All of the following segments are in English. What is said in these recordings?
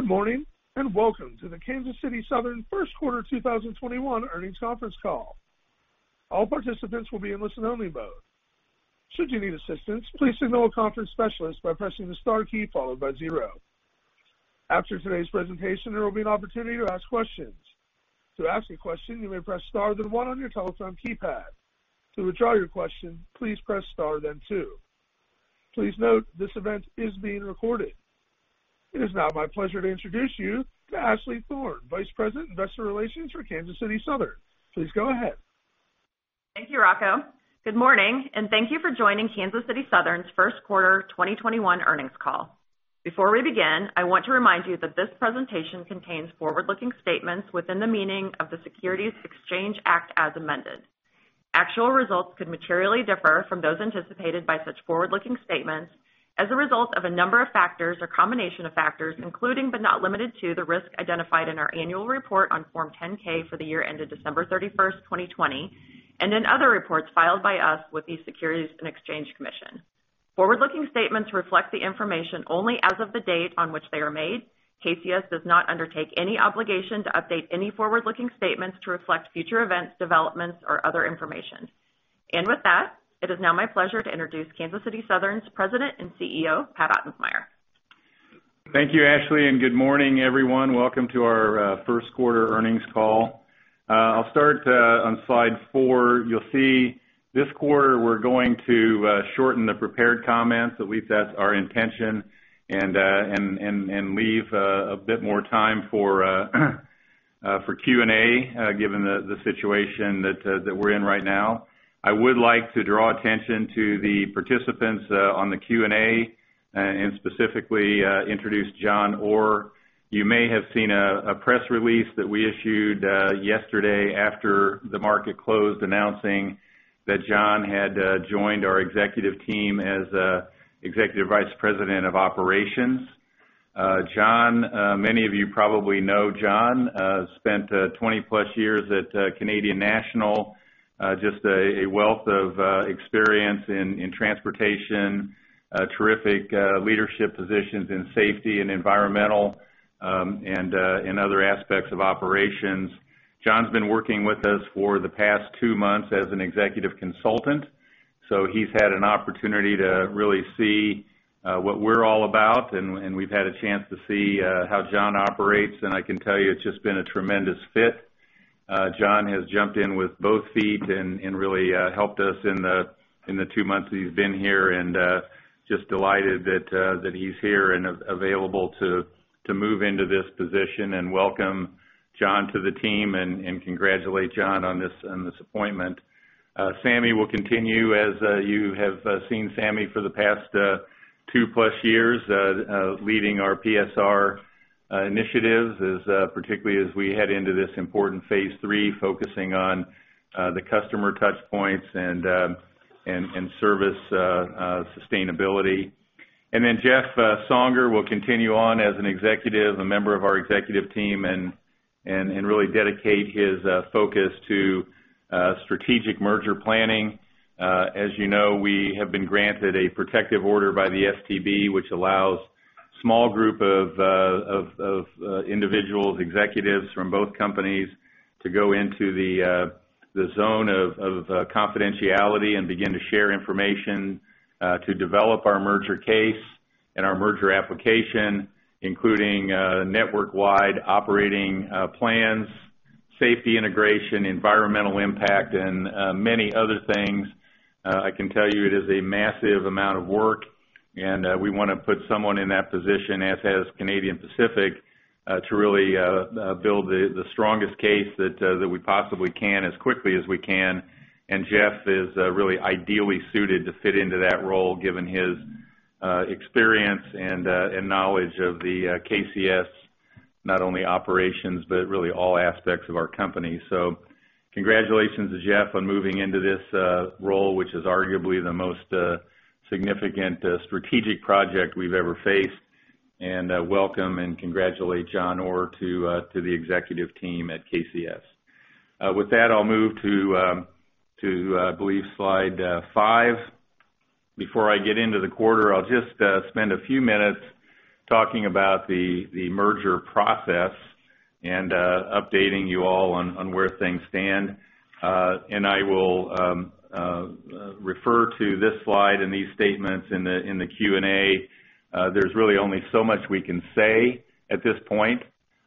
Good morning, welcome to the Kansas City Southern first quarter 2021 earnings conference call. All participants will be in listen-only mode. Should you need assistance, please signal a conference specialist by pressing the star key followed by zero. After today's presentation, there will be an opportunity to ask questions. To ask a question, you may press star then one on your telephone keypad. To withdraw your question, please press star then two. Please note, this event is being recorded. It is now my pleasure to introduce you to Ashley Thorne, Vice President, Investor Relations for Kansas City Southern. Please go ahead. Thank you, Rocco. Good morning, and thank you for joining Kansas City Southern's first quarter 2021 earnings call. Before we begin, I want to remind you that this presentation contains forward-looking statements within the meaning of the Securities Exchange Act as amended. Actual results could materially differ from those anticipated by such forward-looking statements as a result of a number of factors or combination of factors, including, but not limited to, the risks identified in our annual report on Form 10-K for the year ended December 31st, 2020, and in other reports filed by us with the Securities and Exchange Commission. Forward-looking statements reflect the information only as of the date on which they are made. KCS does not undertake any obligation to update any forward-looking statements to reflect future events, developments, or other information. With that, it is now my pleasure to introduce Kansas City Southern's President and CEO, Pat Ottensmeyer. Thank you, Ashley, and good morning, everyone. Welcome to our first quarter earnings call. I'll start on slide four. You'll see this quarter we're going to shorten the prepared comments, at least that's our intention, and leave a bit more time for Q&A, given the situation that we're in right now. I would like to draw attention to the participants on the Q&A and specifically introduce John Orr. You may have seen a press release that we issued yesterday after the market closed, announcing that John had joined our executive team as Executive Vice President of Operations. John, many of you probably know John, spent 20+ years at Canadian National. Just a wealth of experience in transportation, terrific leadership positions in safety and environmental, and in other aspects of operations. John's been working with us for the past two months as an Executive Consultant, so he's had an opportunity to really see what we're all about, and we've had a chance to see how John operates, and I can tell you it's just been a tremendous fit. John has jumped in with both feet and really helped us in the two months that he's been here, and just delighted that he's here and available to move into this position and welcome John to the team and congratulate John on this appointment. Sameh will continue. As you have seen Sameh for the past 2+ years leading our PSR initiatives, particularly as we head into this important Phase Three, focusing on the customer touchpoints and service sustainability. Jeff Songer will continue on as an executive, a member of our executive team and really dedicate his focus to strategic merger planning. As you know, we have been granted a protective order by the STB, which allows small group of individuals, executives from both companies to go into the zone of confidentiality and begin to share information to develop our merger case and our merger application, including network-wide operating plans, safety integration, environmental impact, and many other things. I can tell you it is a massive amount of work, and we want to put someone in that position, as has Canadian Pacific, to really build the strongest case that we possibly can as quickly as we can. Jeff is really ideally suited to fit into that role, given his experience and knowledge of the KCS, not only operations, but really all aspects of our company. Congratulations to Jeff on moving into this role, which is arguably the most significant strategic project we've ever faced. Welcome and congratulate John Orr to the executive team at KCS. With that, I'll move to, I believe, slide five. Before I get into the quarter, I'll just spend a few minutes talking about the merger process and updating you all on where things stand. I will refer to this slide and these statements in the Q&A. There's really only so much we can say at this point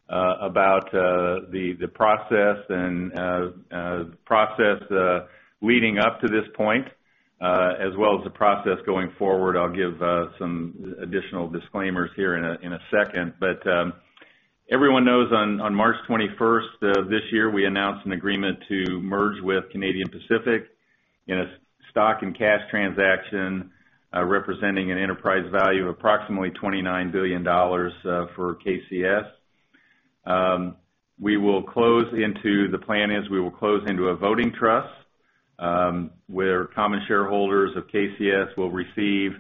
about the process leading up to this point, as well as the process going forward. I'll give some additional disclaimers here in a second. Everyone knows on March 21st of this year, we announced an agreement to merge with Canadian Pacific in a stock and cash transaction representing an enterprise value of approximately $29 billion for KCS. The plan is we will close into a voting trust, where common shareholders of KCS will receive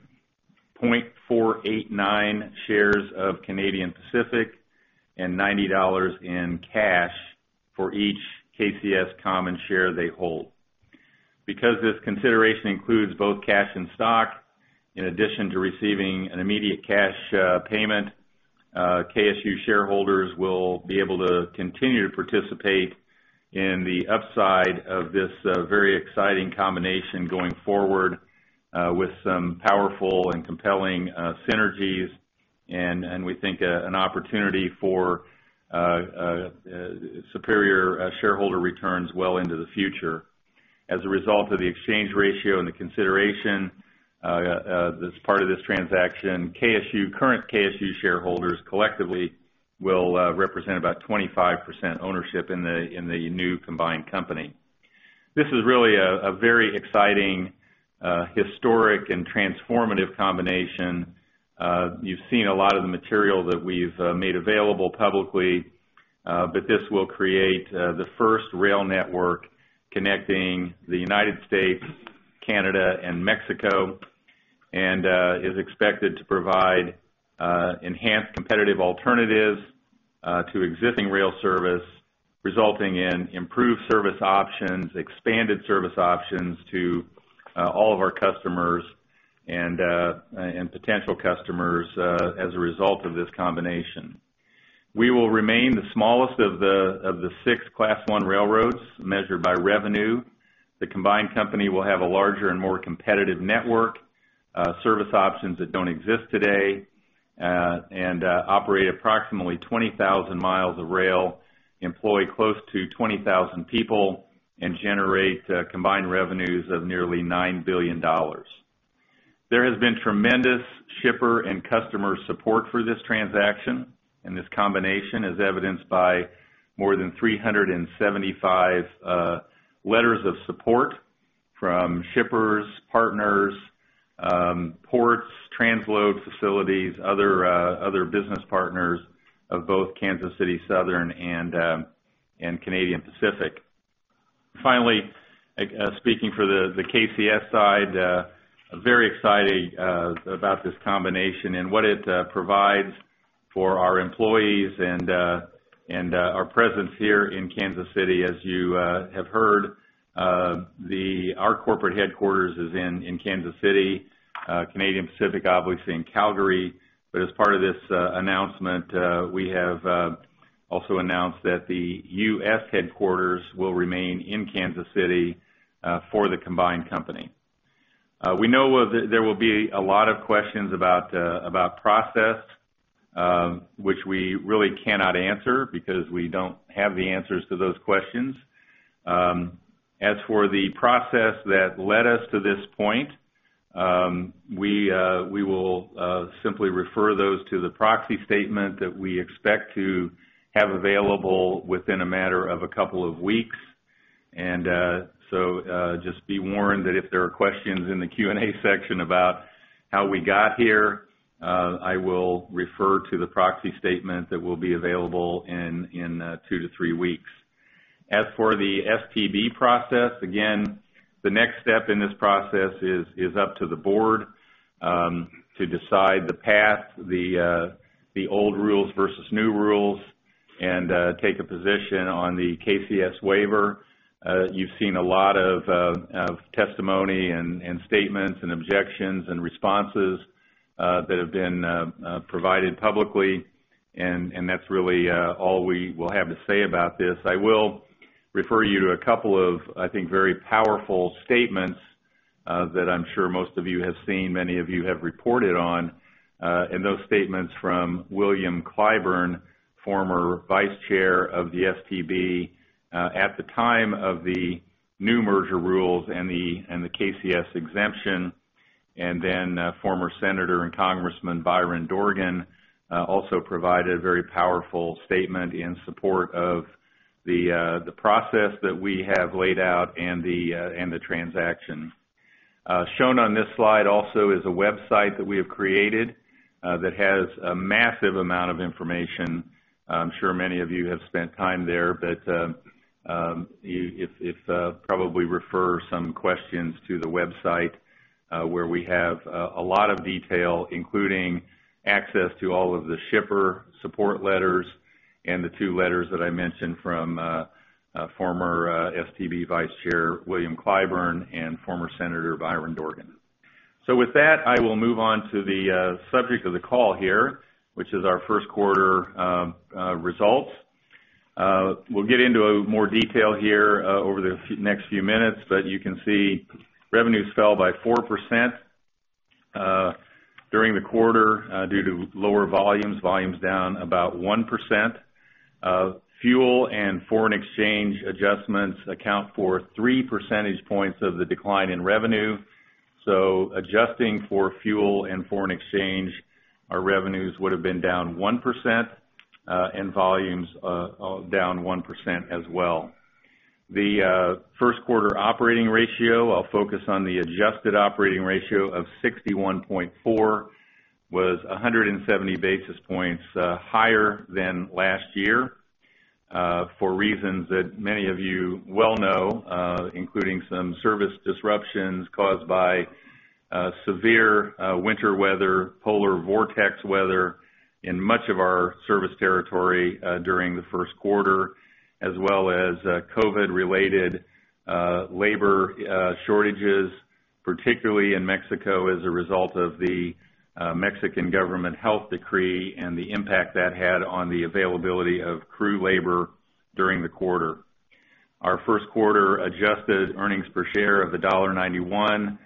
0.489 shares of Canadian Pacific and $90 in cash for each KCS common share they hold. Because this consideration includes both cash and stock, in addition to receiving an immediate cash payment, KCS shareholders will be able to continue to participate in the upside of this very exciting combination going forward with some powerful and compelling synergies, and we think an opportunity for superior shareholder returns well into the future. As a result of the exchange ratio and the consideration as part of this transaction, current KCS shareholders collectively will represent about 25% ownership in the new combined company. This is really a very exciting, historic, and transformative combination. You've seen a lot of the material that we've made available publicly, but this will create the first rail network connecting the U.S., Canada, and Mexico, and is expected to provide enhanced competitive alternatives to existing rail service, resulting in improved service options, expanded service options to all of our customers and potential customers as a result of this combination. We will remain the smallest of the six Class I railroads measured by revenue. The combined company will have a larger and more competitive network, service options that don't exist today, and operate approximately 20,000 miles of rail, employ close to 20,000 people, and generate combined revenues of nearly $9 billion. There has been tremendous shipper and customer support for this transaction and this combination, as evidenced by more than 375 letters of support from shippers, partners, ports, transload facilities, other business partners of both Kansas City Southern and Canadian Pacific. Finally, speaking for the KCS side, very excited about this combination and what it provides for our employees and our presence here in Kansas City. As you have heard, our corporate headquarters is in Kansas City, Canadian Pacific, obviously, in Calgary. As part of this announcement, we have also announced that the U.S. headquarters will remain in Kansas City for the combined company. We know there will be a lot of questions about process, which we really cannot answer because we don't have the answers to those questions. As for the process that led us to this point, we will simply refer those to the proxy statement that we expect to have available within a matter of a couple of weeks. Just be warned that if there are questions in the Q&A section about how we got here, I will refer to the proxy statement that will be available in two to three weeks. As for the STB process, again, the next step in this process is up to the board to decide the path, the old rules versus new rules, and take a position on the KCS waiver. You've seen a lot of testimony and statements and objections and responses that have been provided publicly, that's really all we will have to say about this. I will refer you to a couple of, I think, very powerful statements that I'm sure most of you have seen, many of you have reported on, and those statements from William Clyburn, Former Vice Chair of the STB at the time of the new merger rules and the KCS exemption, and then Former Senator and Congressman Byron Dorgan also provided a very powerful statement in support of the process that we have laid out and the transaction. Shown on this slide also is a website that we have created that has a massive amount of information. I'm sure many of you have spent time there, but if probably refer some questions to the website where we have a lot of detail, including access to all of the shipper support letters and the two letters that I mentioned from Former STB Vice Chair William Clyburn and Former Senator Byron Dorgan. With that, I will move on to the subject of the call here, which is our first quarter results. We'll get into more detail here over the next few minutes, but you can see revenues fell by 4% during the quarter due to lower volumes down about 1%. Fuel and foreign exchange adjustments account for 3 percentage points of the decline in revenue. Adjusting for fuel and foreign exchange, our revenues would have been down 1% and volumes down 1% as well. The first quarter operating ratio, I'll focus on the adjusted operating ratio of 61.4, was 170 basis points higher than last year for reasons that many of you well know including some service disruptions caused by severe winter weather, polar vortex weather in much of our service territory during the first quarter, as well as COVID-related labor shortages, particularly in Mexico, as a result of the Mexican government health decree and the impact that had on the availability of crew labor during the quarter. Our first quarter adjusted earnings per share of $1.91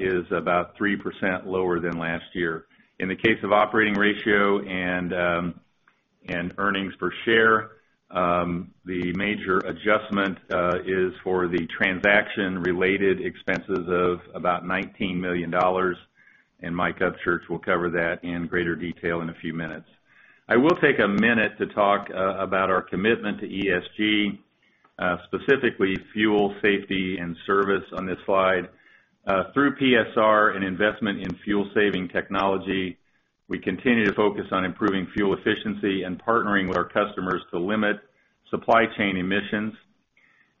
is about 3% lower than last year. In the case of operating ratio and earnings per share, the major adjustment is for the transaction-related expenses of about $19 million. Mike Upchurch will cover that in greater detail in a few minutes. I will take a minute to talk about our commitment to ESG, specifically fuel safety and service on this slide. Through PSR and investment in fuel saving technology, we continue to focus on improving fuel efficiency and partnering with our customers to limit supply chain emissions.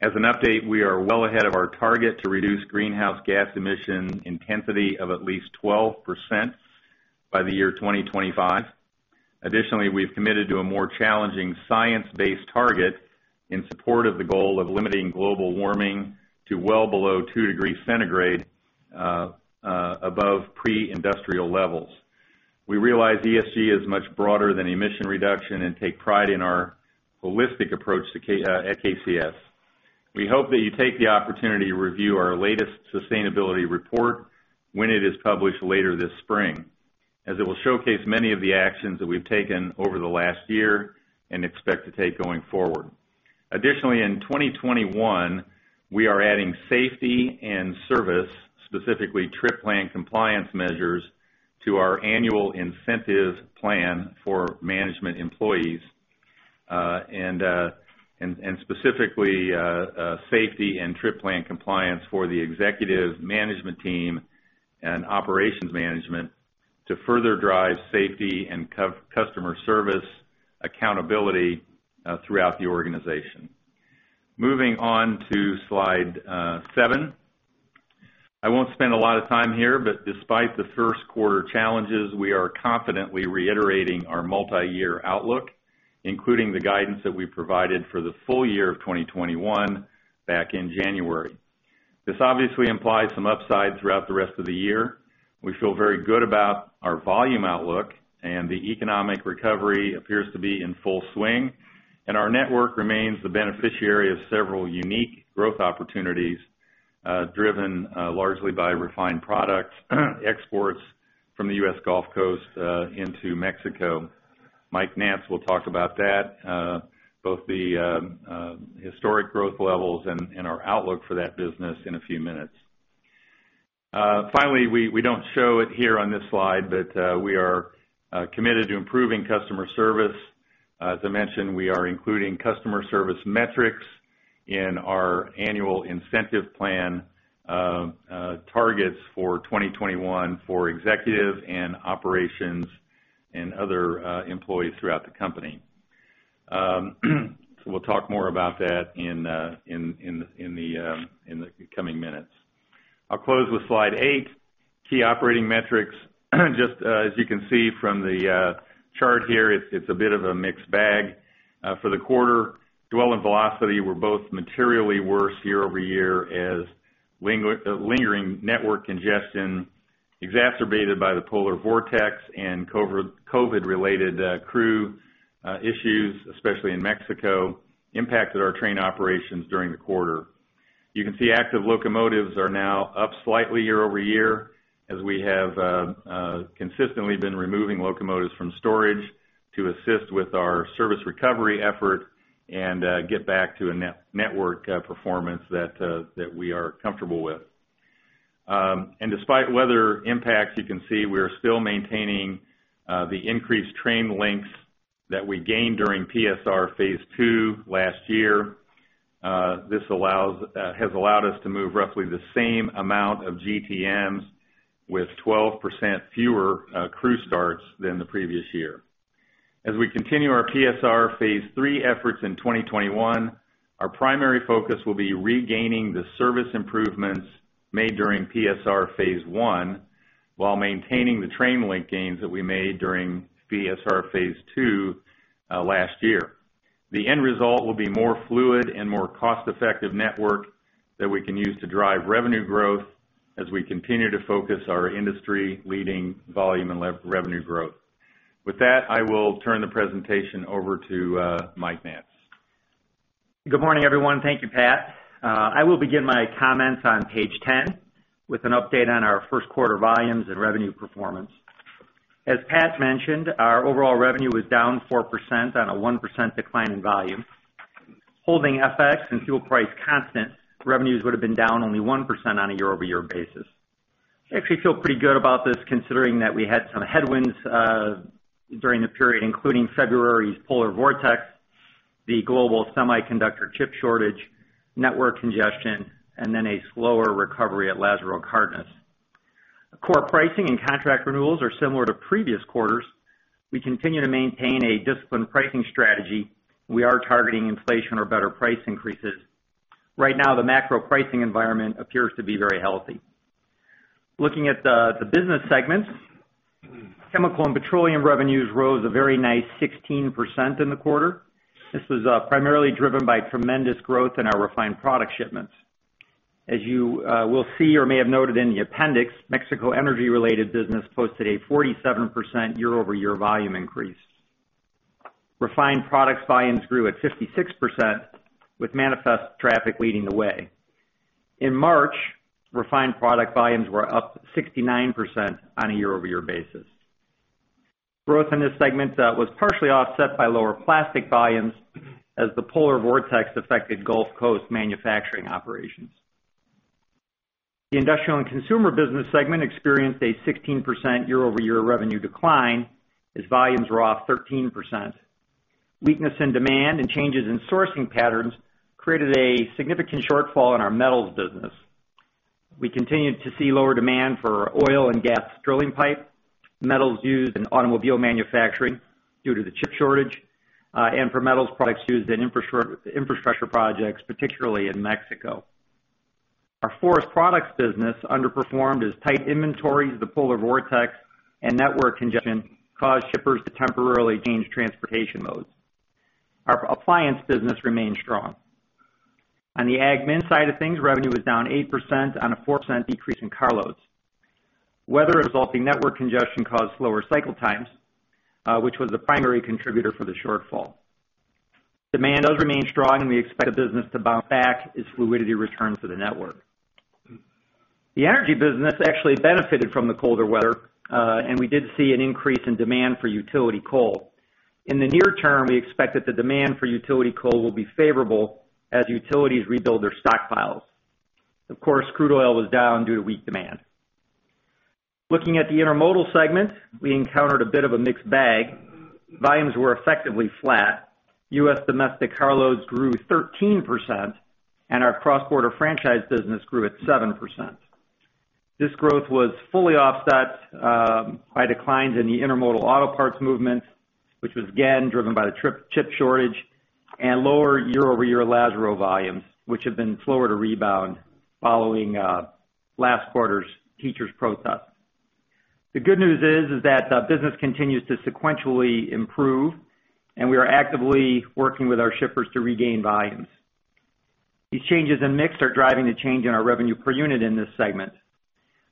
As an update, we are well ahead of our target to reduce greenhouse gas emission intensity of at least 12% by the year 2025. Additionally, we've committed to a more challenging science-based target in support of the goal of limiting global warming to well below two degrees centigrade above pre-industrial levels. We realize ESG is much broader than emission reduction and take pride in our holistic approach at KCS. We hope that you take the opportunity to review our latest sustainability report when it is published later this spring, as it will showcase many of the actions that we've taken over the last year and expect to take going forward. In 2021, we are adding safety and service, specifically trip plan compliance measures, to our annual incentive plan for management employees. Specifically, safety and trip plan compliance for the executive management team and operations management to further drive safety and customer service accountability throughout the organization. Moving on to slide seven. I won't spend a lot of time here, despite the first quarter challenges, we are confidently reiterating our multi-year outlook, including the guidance that we provided for the full year of 2021 back in January. This obviously implies some upside throughout the rest of the year. We feel very good about our volume outlook, and the economic recovery appears to be in full swing. Our network remains the beneficiary of several unique growth opportunities, driven largely by refined products exports from the U.S. Gulf Coast into Mexico. Mike Naatz will talk about that, both the historic growth levels and our outlook for that business in a few minutes. Finally, we don't show it here on this slide, but we are committed to improving customer service. As I mentioned, we are including customer service metrics in our annual incentive plan targets for 2021 for executive and operations and other employees throughout the company. We'll talk more about that in the coming minutes. I'll close with slide eight, key operating metrics. Just as you can see from the chart here, it's a bit of a mixed bag. For the quarter, Dwell and Velocity were both materially worse year-over-year as lingering network congestion exacerbated by the polar vortex and COVID-related crew issues, especially in Mexico, impacted our train operations during the quarter. You can see active locomotives are now up slightly year-over-year as we have consistently been removing locomotives from storage to assist with our service recovery effort and get back to a network performance that we are comfortable with. Despite weather impacts, you can see we are still maintaining the increased train lengths that we gained during PSR Phase Two last year. This has allowed us to move roughly the same amount of GTMs with 12% fewer crew starts than the previous year. As we continue our PSR Phase Three efforts in 2021, our primary focus will be regaining the service improvements made during PSR Phase One while maintaining the train length gains that we made during PSR Phase Two last year. The end result will be more fluid and more cost-effective network that we can use to drive revenue growth as we continue to focus our industry-leading volume and revenue growth. With that, I will turn the presentation over to Mike Naatz. Good morning, everyone. Thank you, Pat. I will begin my comments on page 10 with an update on our first quarter volumes and revenue performance. As Pat mentioned, our overall revenue was down 4% on a 1% decline in volume. Holding FX and fuel price constant, revenues would have been down only 1% on a year-over-year basis. I actually feel pretty good about this considering that we had some headwinds during the period, including February's polar vortex, the global semiconductor chip shortage, network congestion, and then a slower recovery at Lázaro Cárdenas. Core pricing and contract renewals are similar to previous quarters. We continue to maintain a disciplined pricing strategy. We are targeting inflation or better price increases. Right now, the macro pricing environment appears to be very healthy. Looking at the business segments, chemical and petroleum revenues rose a very nice 16% in the quarter. This was primarily driven by tremendous growth in our refined product shipments. As you will see or may have noted in the appendix, Mexico energy-related business posted a 47% year-over-year volume increase. Refined products volumes grew at 56%, with manifest traffic leading the way. In March, refined product volumes were up 69% on a year-over-year basis. Growth in this segment was partially offset by lower plastic volumes as the polar vortex affected Gulf Coast manufacturing operations. The Industrial and Consumer business segment experienced a 16% year-over-year revenue decline as volumes were off 13%. Weakness in demand and changes in sourcing patterns created a significant shortfall in our metals business. We continued to see lower demand for oil and gas drilling pipe, metals used in automobile manufacturing due to the chip shortage, and for metals products used in infrastructure projects, particularly in Mexico. Our forest products business underperformed as tight inventories, the polar vortex, and network congestion caused shippers to temporarily change transportation modes. Our appliance business remains strong. On the Ag & Min side of things, revenue was down 8% on a 4% decrease in carloads. Weather resulting network congestion caused slower cycle times, which was the primary contributor for the shortfall. Demand does remain strong, and we expect the business to bounce back as fluidity returns to the network. The energy business actually benefited from the colder weather, and we did see an increase in demand for utility coal. In the near term, we expect that the demand for utility coal will be favorable as utilities rebuild their stockpiles. Of course, crude oil was down due to weak demand. Looking at the intermodal segments, we encountered a bit of a mixed bag. Volumes were effectively flat. U.S. domestic carloads grew 13%. Our cross-border franchise business grew at 7%. This growth was fully offset by declines in the intermodal auto parts movement, which was again driven by the chip shortage and lower year-over-year Lázaro volumes, which have been slower to rebound following last quarter's teachers protest. The good news is that business continues to sequentially improve. We are actively working with our shippers to regain volumes. These changes in mix are driving the change in our revenue per unit in this segment.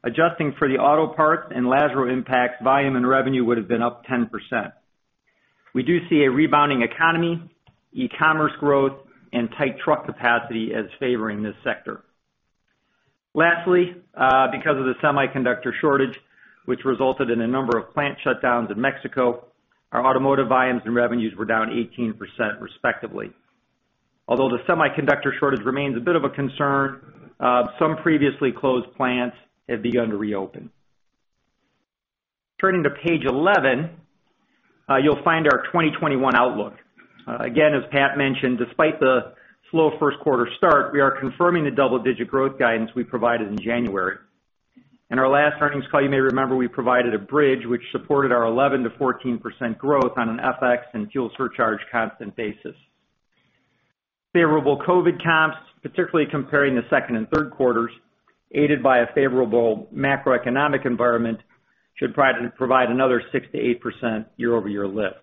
Adjusting for the auto parts and Lázaro impacts, volume and revenue would have been up 10%. We do see a rebounding economy, e-commerce growth, and tight truck capacity as favoring this sector. Lastly, because of the semiconductor shortage, which resulted in a number of plant shutdowns in Mexico, our automotive volumes and revenues were down 18%, respectively. Although the semiconductor shortage remains a bit of a concern, some previously closed plants have begun to reopen. Turning to page 11, you'll find our 2021 outlook. Again, as Pat mentioned, despite the slow first quarter start, we are confirming the double-digit growth guidance we provided in January. In our last earnings call, you may remember we provided a bridge which supported our 11%-14% growth on an FX and fuel surcharge constant basis. Favorable COVID comps, particularly comparing the second and third quarters, aided by a favorable macroeconomic environment, should provide another 6%-8% year-over-year lift.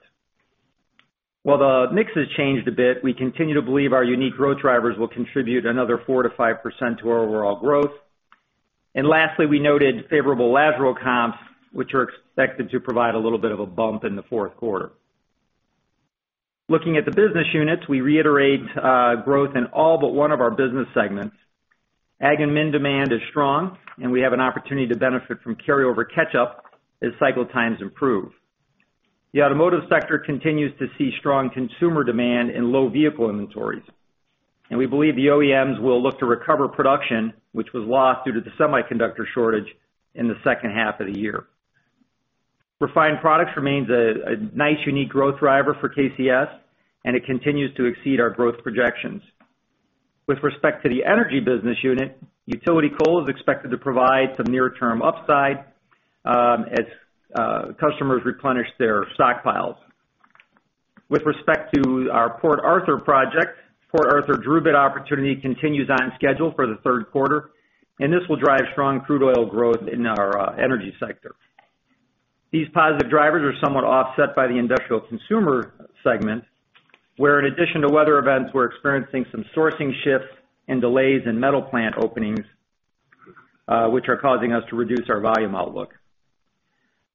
While the mix has changed a bit, we continue to believe our unique growth drivers will contribute another 4%-5% to our overall growth. Lastly, we noted favorable Lázaro comps, which are expected to provide a little bit of a bump in the fourth quarter. Looking at the business units, we reiterate growth in all but one of our business segments. Ag & Min demand is strong, and we have an opportunity to benefit from carryover catch-up as cycle times improve. The automotive sector continues to see strong consumer demand and low vehicle inventories, and we believe the OEMs will look to recover production, which was lost due to the semiconductor shortage in the second half of the year. Refined products remains a nice, unique growth driver for KCS, and it continues to exceed our growth projections. With respect to the energy business unit, utility coal is expected to provide some near term upside as customers replenish their stockpiles. With respect to our Port Arthur project, Port Arthur DRUbit opportunity continues on schedule for the third quarter, and this will drive strong crude oil growth in our energy sector. These positive drivers are somewhat offset by the industrial consumer segment, where in addition to weather events, we're experiencing some sourcing shifts and delays in metal plant openings, which are causing us to reduce our volume outlook.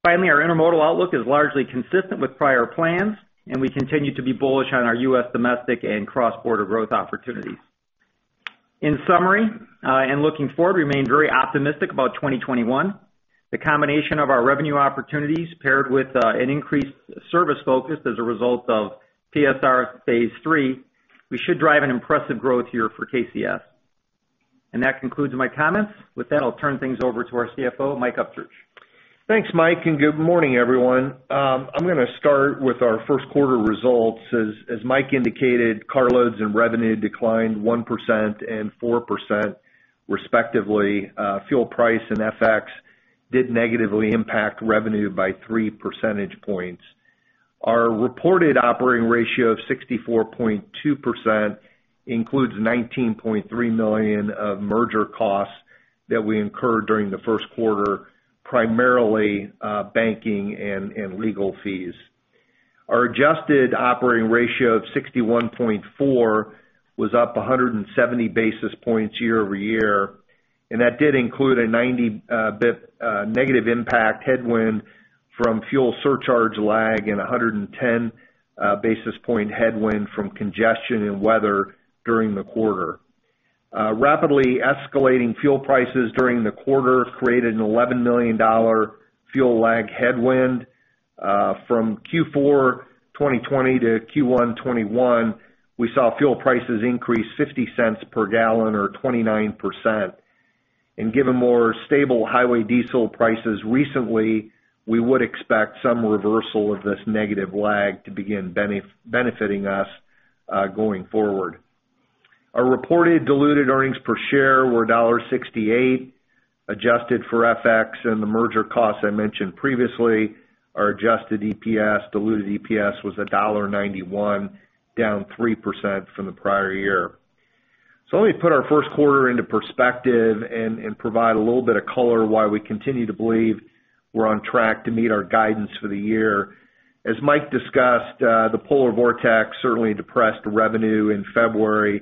Finally, our intermodal outlook is largely consistent with prior plans, and we continue to be bullish on our U.S. domestic and cross-border growth opportunities. In summary, looking forward, we remain very optimistic about 2021. The combination of our revenue opportunities paired with an increased service focus as a result of PSR Stage Three, we should drive an impressive growth year for KCS. That concludes my comments. With that, I'll turn things over to our CFO, Mike Upchurch. Thanks, Mike, good morning, everyone. I'm going to start with our first quarter results. As Mike indicated, carloads and revenue declined 1% and 4% respectively. Fuel price and FX did negatively impact revenue by 3 percentage points. Our reported operating ratio of 64.2% includes $19.3 million of merger costs that we incurred during the first quarter, primarily banking and legal fees. Our adjusted operating ratio of 61.4% was up 170 basis points year-over-year, that did include a 90 basis point negative impact headwind from fuel surcharge lag and 110 basis point headwind from congestion and weather during the quarter. Rapidly escalating fuel prices during the quarter created an $11 million fuel lag headwind. From Q4 2020 to Q1 2021, we saw fuel prices increase $0.50 per gallon or 29%. Given more stable highway diesel prices recently, we would expect some reversal of this negative lag to begin benefiting us going forward. Our reported diluted earnings per share were $1.68, adjusted for FX and the merger costs I mentioned previously. Our adjusted diluted EPS was $1.91, down 3% from the prior year. Let me put our first quarter into perspective and provide a little bit of color why we continue to believe we're on track to meet our guidance for the year. As Mike discussed, the polar vortex certainly depressed revenue in February,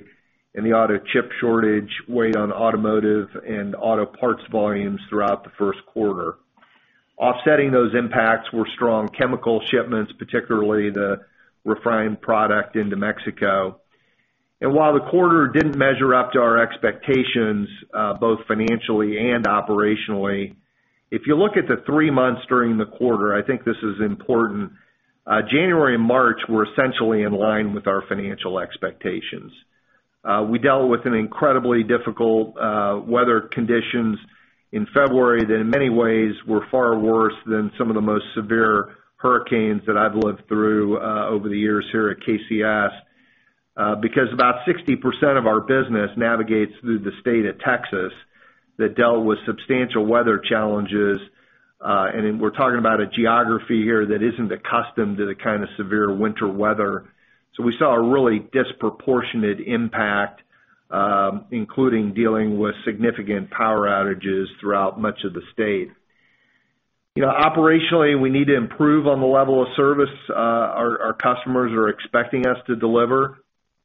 and the auto chip shortage weighed on automotive and auto parts volumes throughout the first quarter. Offsetting those impacts were strong chemical shipments, particularly the refined product into Mexico. While the quarter didn't measure up to our expectations, both financially and operationally, if you look at the three months during the quarter, I think this is important, January and March were essentially in line with our financial expectations. We dealt with incredibly difficult weather conditions in February that in many ways, were far worse than some of the most severe hurricanes that I've lived through over the years here at KCS. About 60% of our business navigates through the state of Texas that dealt with substantial weather challenges, and we're talking about a geography here that isn't accustomed to the kind of severe winter weather. We saw a really disproportionate impact, including dealing with significant power outages throughout much of the state. Operationally, we need to improve on the level of service our customers are expecting us to deliver,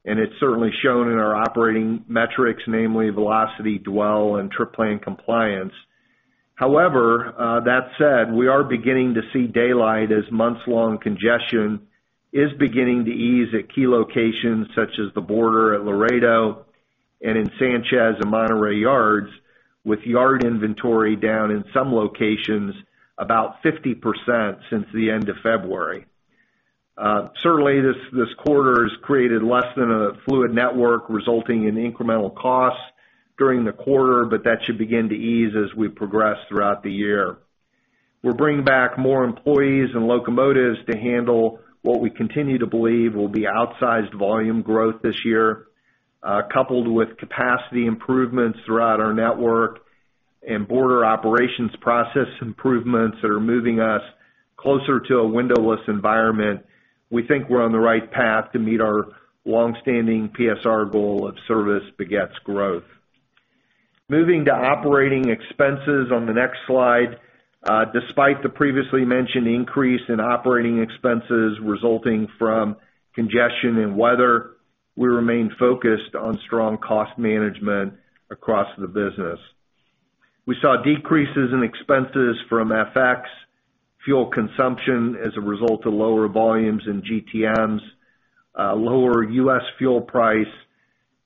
and it's certainly shown in our operating metrics, namely Velocity, Dwell, and Trip Plan Compliance. That said, we are beginning to see daylight as months-long congestion is beginning to ease at key locations such as the border at Laredo and in Sanchez and Monterrey yards, with yard inventory down in some locations about 50% since the end of February. Certainly, this quarter has created less than a fluid network, resulting in incremental costs during the quarter, but that should begin to ease as we progress throughout the year. We're bringing back more employees and locomotives to handle what we continue to believe will be outsized volume growth this year. Coupled with capacity improvements throughout our network and border operations process improvements that are moving us closer to a windowless environment, we think we're on the right path to meet our longstanding PSR goal of service begets growth. Moving to operating expenses on the next slide. Despite the previously mentioned increase in operating expenses resulting from congestion and weather, we remain focused on strong cost management across the business. We saw decreases in expenses from FX, fuel consumption as a result of lower volumes in GTMs, lower U.S. fuel price,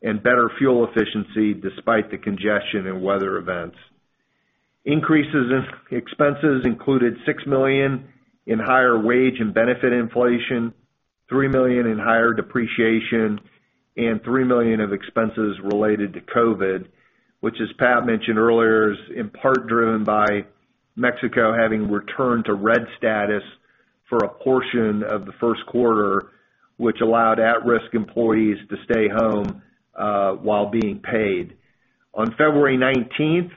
and better fuel efficiency despite the congestion and weather events. Increases in expenses included $6 million in higher wage and benefit inflation, $3 million in higher depreciation, and $3 million of expenses related to COVID, which, as Pat mentioned earlier, is in part driven by Mexico having returned to red status for a portion of the first quarter, which allowed at-risk employees to stay home while being paid. On February 19th,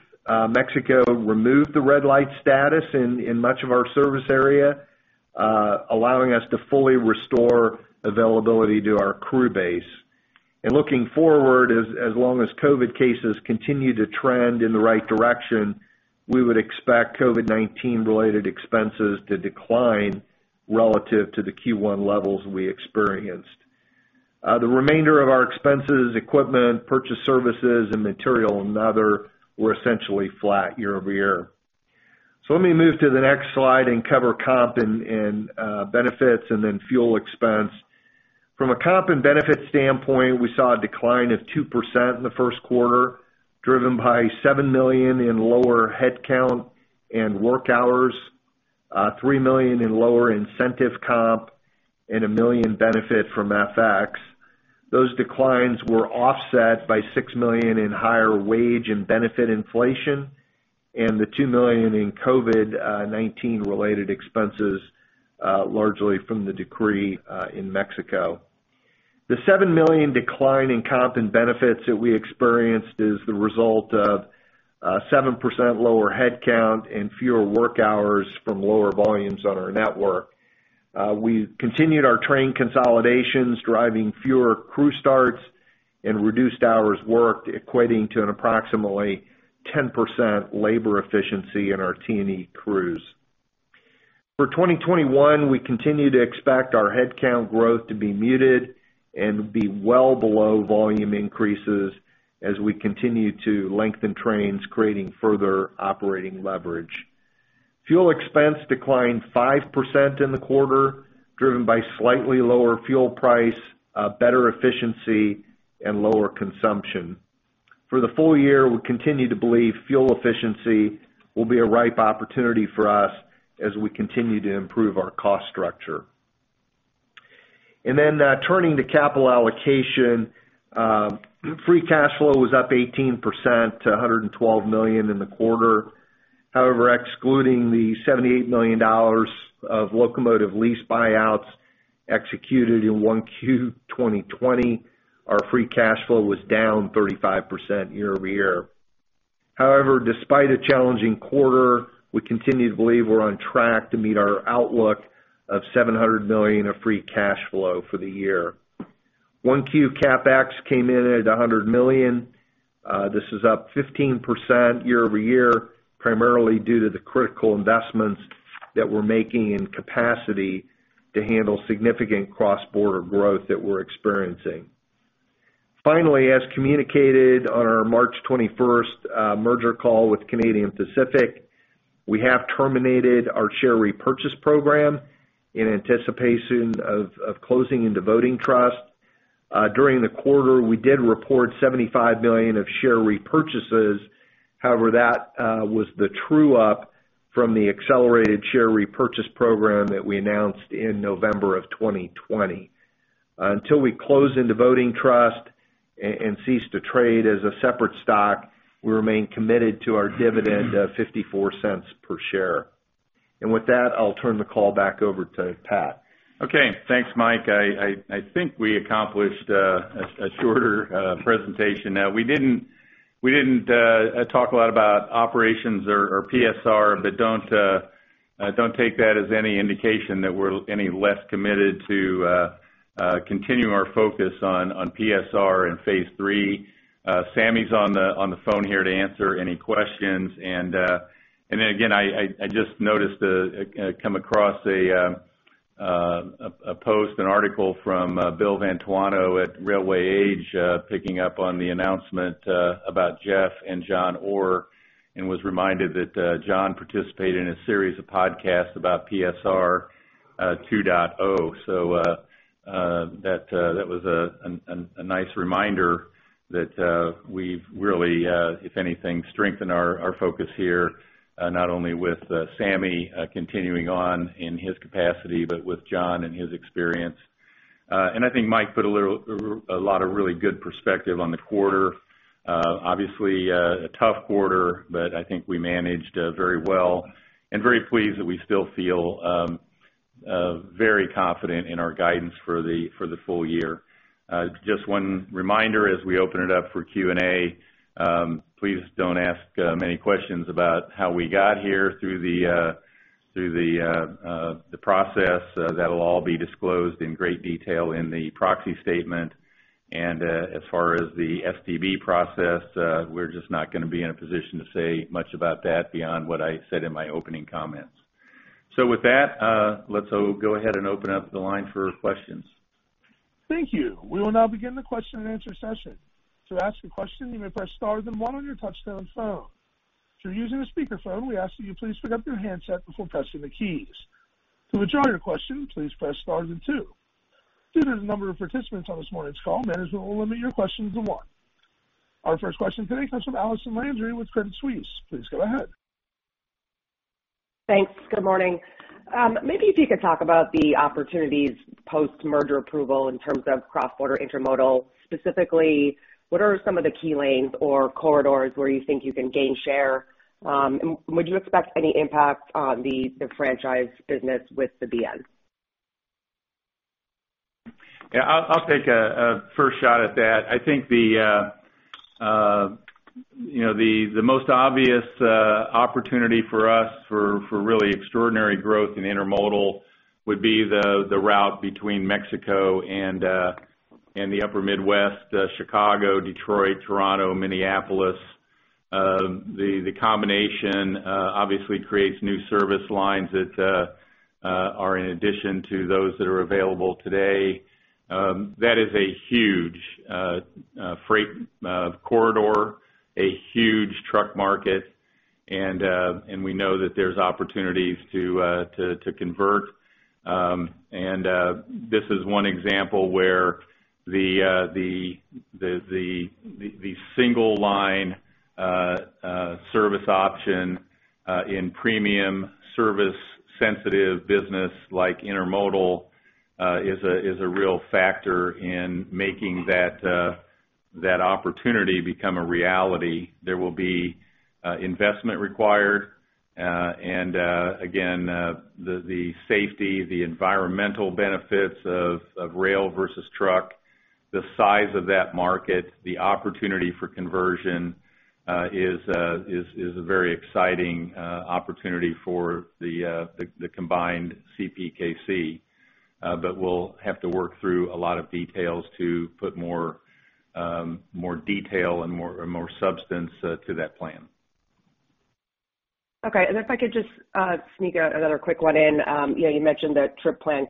Mexico removed the red light status in much of our service area, allowing us to fully restore availability to our crew base. Looking forward, as long as COVID cases continue to trend in the right direction, we would expect COVID-19 related expenses to decline relative to the Q1 levels we experienced. The remainder of our expenses, equipment, purchase services, and material and other, were essentially flat year-over-year. Let me move to the next slide and cover comp and benefits, and then fuel expense. From a comp and benefit standpoint, we saw a decline of 2% in the first quarter, driven by $7 million in lower headcount and work hours, $3 million in lower incentive comp, and a $1 million benefit from FX. Those declines were offset by $6 million in higher wage and benefit inflation and the $2 million in COVID-19 related expenses, largely from the decree in Mexico. The $7 million decline in comp and benefits that we experienced is the result of a 7% lower headcount and fewer work hours from lower volumes on our network. We continued our train consolidations, driving fewer crew starts and reduced hours worked, equating to an approximately 10% labor efficiency in our T&E crews. For 2021, we continue to expect our headcount growth to be muted and be well below volume increases as we continue to lengthen trains, creating further operating leverage. Fuel expense declined 5% in the quarter, driven by slightly lower fuel price, better efficiency, and lower consumption. For the full year, we continue to believe fuel efficiency will be a ripe opportunity for us as we continue to improve our cost structure. Turning to capital allocation, free cash flow was up 18% to $112 million in the quarter. However, excluding the $78 million of locomotive lease buyouts executed in 1Q 2020, our free cash flow was down 35% year-over-year. However, despite a challenging quarter, we continue to believe we're on track to meet our outlook of $700 million of free cash flow for the year. 1Q CapEx came in at $100 million. This is up 15% year-over-year, primarily due to the critical investments that we're making in capacity to handle significant cross-border growth that we're experiencing. Finally, as communicated on our March 21st merger call with Canadian Pacific, we have terminated our share repurchase program in anticipation of closing into voting trust. During the quarter, we did report $75 million of share repurchases. However, that was the true up from the accelerated share repurchase program that we announced in November of 2020. Until we close into voting trust and cease to trade as a separate stock, we remain committed to our dividend of $0.54 per share. With that, I'll turn the call back over to Pat. Okay. Thanks, Mike. I think we accomplished a shorter presentation. We didn't talk a lot about operations or PSR, but don't take that as any indication that we're any less committed to continue our focus on PSR and Phase Three. Sameh is on the phone here to answer any questions. I just noticed, come across a post, an article from Bill Vantuono at Railway Age, picking up on the announcement about Jeff and John Orr, and was reminded that John participated in a series of podcasts about PSR 2.0. That was a nice reminder that we've really, if anything, strengthened our focus here, not only with Sameh continuing on in his capacity, but with John and his experience. I think Mike put a lot of really good perspective on the quarter. Obviously a tough quarter, but I think we managed very well and very pleased that we still feel very confident in our guidance for the full year. Just one reminder as we open it up for Q&A, please don't ask many questions about how we got here through the process. That'll all be disclosed in great detail in the proxy statement. As far as the STB process, we're just not going to be in a position to say much about that beyond what I said in my opening comments. With that, let's go ahead and open up the line for questions. Thank you. We will now begin the question and answer session. To ask a question, you may press star then one on your touchtone phone. If you are using a speakerphone, we ask that you please pick up your handset before pressing the keys. To withdraw your question, please press star then two. Due to the number of participants on this morning's call, management will limit your questions to one. Our first question today comes from Allison Landry with Credit Suisse. Please go ahead. Thanks. Good morning. Maybe if you could talk about the opportunities post merger approval in terms of cross-border intermodal, specifically, what are some of the key lanes or corridors where you think you can gain share? Would you expect any impact on the franchise business with the BN? Yeah, I'll take a first shot at that. I think the most obvious opportunity for us for really extraordinary growth in intermodal would be the route between Mexico and the upper Midwest, Chicago, Detroit, Toronto, Minneapolis. The combination obviously creates new service lines that are in addition to those that are available today. That is a huge freight corridor, a huge truck market, and we know that there's opportunities to convert. This is one example where the single line service option in premium service sensitive business like intermodal is a real factor in making that opportunity become a reality. There will be investment required. Again, the safety, the environmental benefits of rail versus truck, the size of that market, the opportunity for conversion is a very exciting opportunity for the combined CPKC. We'll have to work through a lot of details to put more detail and more substance to that plan. Okay. If I could just sneak another quick one in. You mentioned that trip plan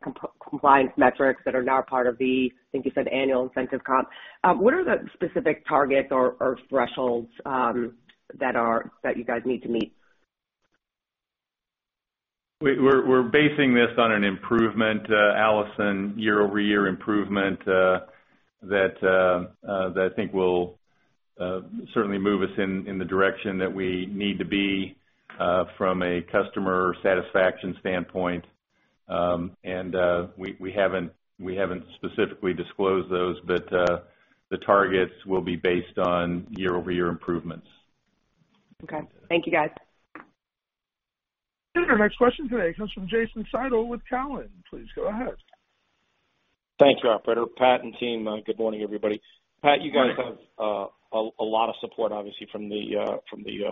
compliance metrics that are now part of the, I think you said, annual incentive comp. What are the specific targets or thresholds that you guys need to meet? We're basing this on an improvement, Allison, year-over-year improvement, that I think will certainly move us in the direction that we need to be from a customer satisfaction standpoint. We haven't specifically disclosed those, but the targets will be based on year-over-year improvements. Okay. Thank you, guys. Our next question today comes from Jason Seidl with Cowen. Please go ahead. Thank you, operator. Pat and team, good morning, everybody. Pat, you guys have a lot of support, obviously, from the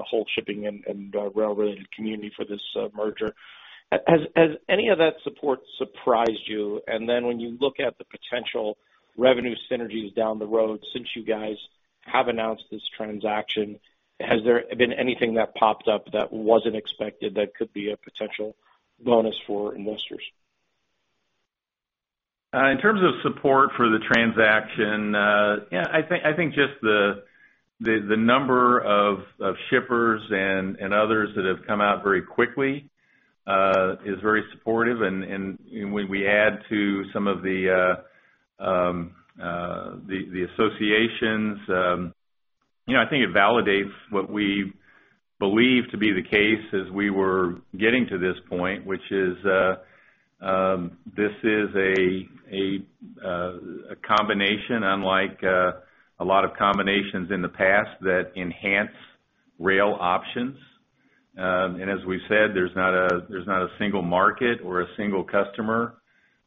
whole shipping and rail-related community for this merger. Has any of that support surprised you? When you look at the potential revenue synergies down the road, since you guys have announced this transaction, has there been anything that popped up that wasn't expected that could be a potential bonus for investors? In terms of support for the transaction, I think just the number of shippers and others that have come out very quickly is very supportive. When we add to some of the associations, I think it validates what we believed to be the case as we were getting to this point, which is this is a combination unlike a lot of combinations in the past that enhance rail options. As we've said, there's not a single market or a single customer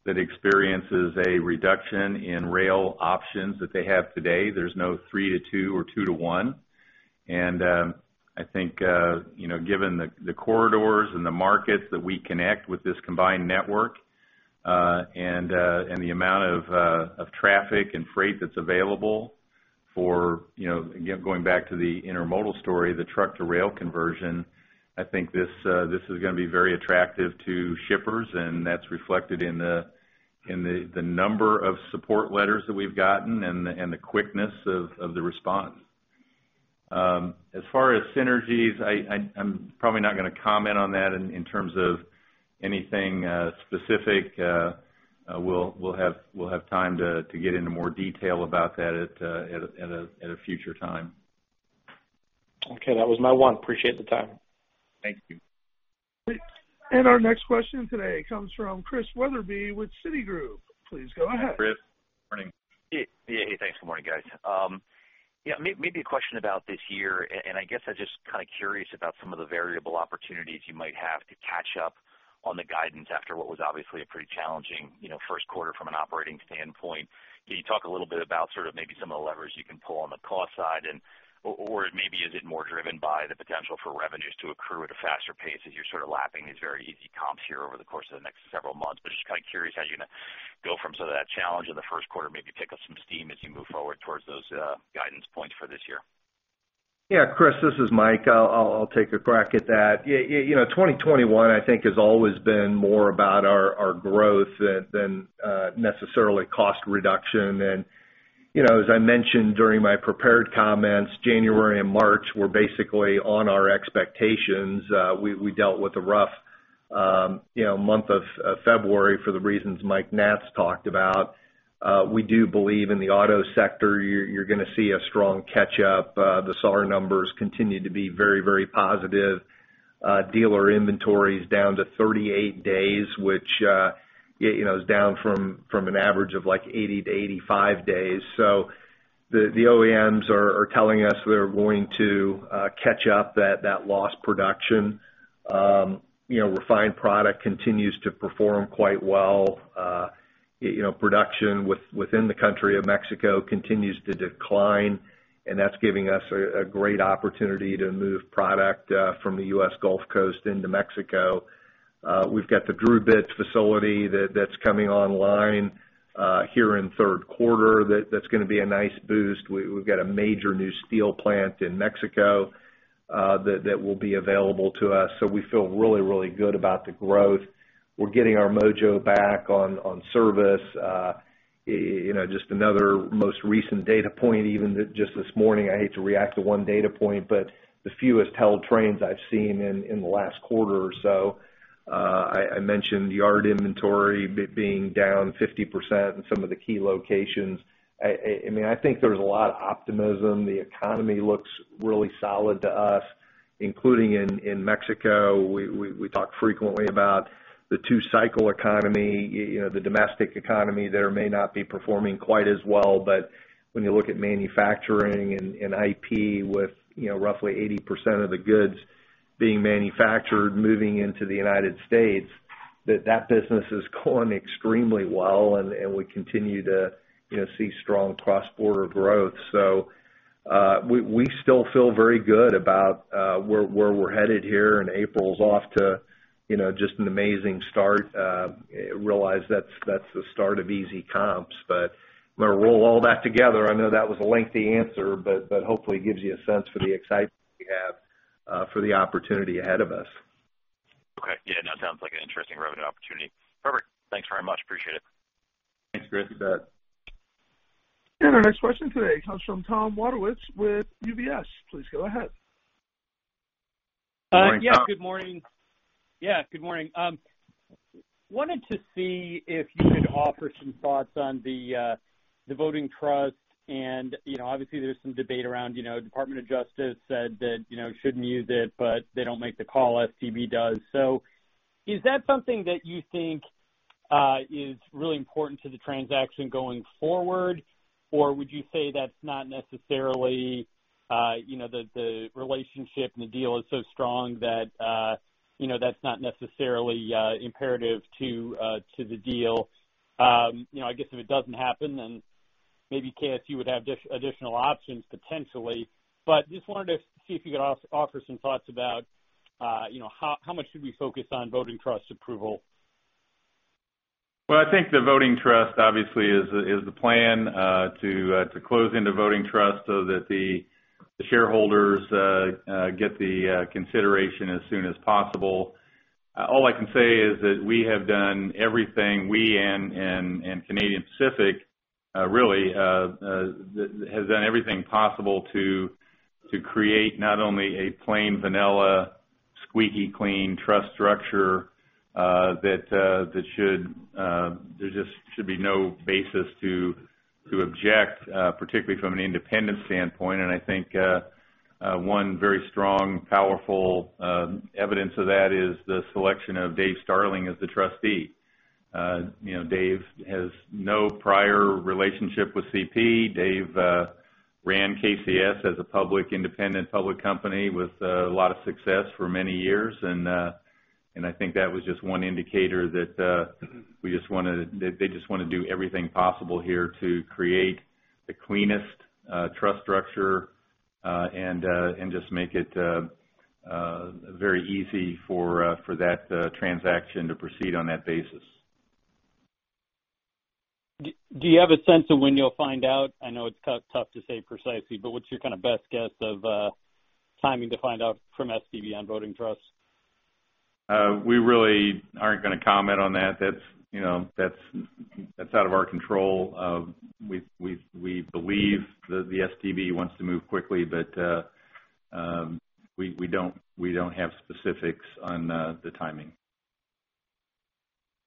that experiences a reduction in rail options that they have today. There's no three to two or two to one. I think, given the corridors and the markets that we connect with this combined network and the amount of traffic and freight that's available for, again, going back to the intermodal story, the truck-to-rail conversion, I think this is going to be very attractive to shippers, and that's reflected in the number of support letters that we've gotten and the quickness of the response. As far as synergies, I'm probably not going to comment on that in terms of anything specific. We'll have time to get into more detail about that at a future time. Okay. That was my one. Appreciate the time. Thank you. Our next question today comes from Chris Wetherbee with Citigroup. Please go ahead. Chris, morning. Yeah. Hey, thanks. Good morning, guys. Maybe a question about this year, and I guess I'm just kind of curious about some of the variable opportunities you might have to catch up on the guidance after what was obviously a pretty challenging first quarter from an operating standpoint. Can you talk a little bit about sort of maybe some of the levers you can pull on the cost side? Maybe is it more driven by the potential for revenues to accrue at a faster pace as you're sort of lapping these very easy comps here over the course of the next several months? Just kind of curious how you're going to go from some of that challenge in the first quarter, maybe pick up some steam as you move forward towards those guidance points for this year. Yeah, Chris, this is Mike. I'll take a crack at that. 2021, I think, has always been more about our growth than necessarily cost reduction. As I mentioned during my prepared comments, January and March were basically on our expectations. We dealt with the rough month of February for the reasons Mike Naatz talked about. We do believe in the auto sector, you're going to see a strong catch-up. The SAAR numbers continue to be very positive. Dealer inventory is down to 38 days, which is down from an average of like 80-85 days. The OEMs are telling us they're going to catch up that lost production. Refined product continues to perform quite well. Production within the country of Mexico continues to decline, and that's giving us a great opportunity to move product from the U.S. Gulf Coast into Mexico. We've got the DRUbit facility that's coming online here in third quarter that's going to be a nice boost. We've got a major new steel plant in Mexico that will be available to us. We feel really good about the growth. We're getting our mojo back on service. Just another most recent data point, even just this morning, I hate to react to one data point, but the fewest held trains I've seen in the last quarter or so. I mentioned yard inventory being down 50% in some of the key locations. I think there's a lot of optimism. The economy looks really solid to us. Including in Mexico, we talk frequently about the two-cycle economy, the domestic economy there may not be performing quite as well, but when you look at manufacturing and IP with roughly 80% of the goods being manufactured, moving into the United States, that business is going extremely well, and we continue to see strong cross-border growth. We still feel very good about where we're headed here, and April's off to just an amazing start. Realize that's the start of easy comps. I'm going to roll all that together. I know that was a lengthy answer, but hopefully it gives you a sense for the excitement we have for the opportunity ahead of us. Okay. Yeah, that sounds like an interesting revenue opportunity. Perfect. Thanks very much. Appreciate it. Thanks, Chris. You bet. Our next question today comes from Tom Wadewitz with UBS. Please go ahead. Morning, Tom. Yeah, good morning. Wanted to see if you could offer some thoughts on the voting trust and obviously there's some debate around Department of Justice said that shouldn't use it, but they don't make the call, STB does. Is that something that you think is really important to the transaction going forward? Would you say that's not necessarily the relationship and the deal is so strong that's not necessarily imperative to the deal? I guess if it doesn't happen, then maybe KCS would have additional options potentially. Just wanted to see if you could offer some thoughts about how much should we focus on voting trust approval. Well, I think the voting trust obviously is the plan to close into voting trust so that the shareholders get the consideration as soon as possible. All I can say is that we have done everything, we and Canadian Pacific really, has done everything possible to create not only a plain vanilla, squeaky clean trust structure that there just should be no basis to object, particularly from an independent standpoint. I think one very strong, powerful evidence of that is the selection of Dave Starling as the trustee. Dave has no prior relationship with CP. Dave ran KCS as a public independent public company with a lot of success for many years. I think that was just one indicator that they just want to do everything possible here to create the cleanest trust structure, and just make it very easy for that transaction to proceed on that basis. Do you have a sense of when you'll find out? I know it's tough to say precisely, but what's your kind of best guess of timing to find out from STB on voting trust? We really aren't going to comment on that. That's out of our control. We believe the STB wants to move quickly, but we don't have specifics on the timing.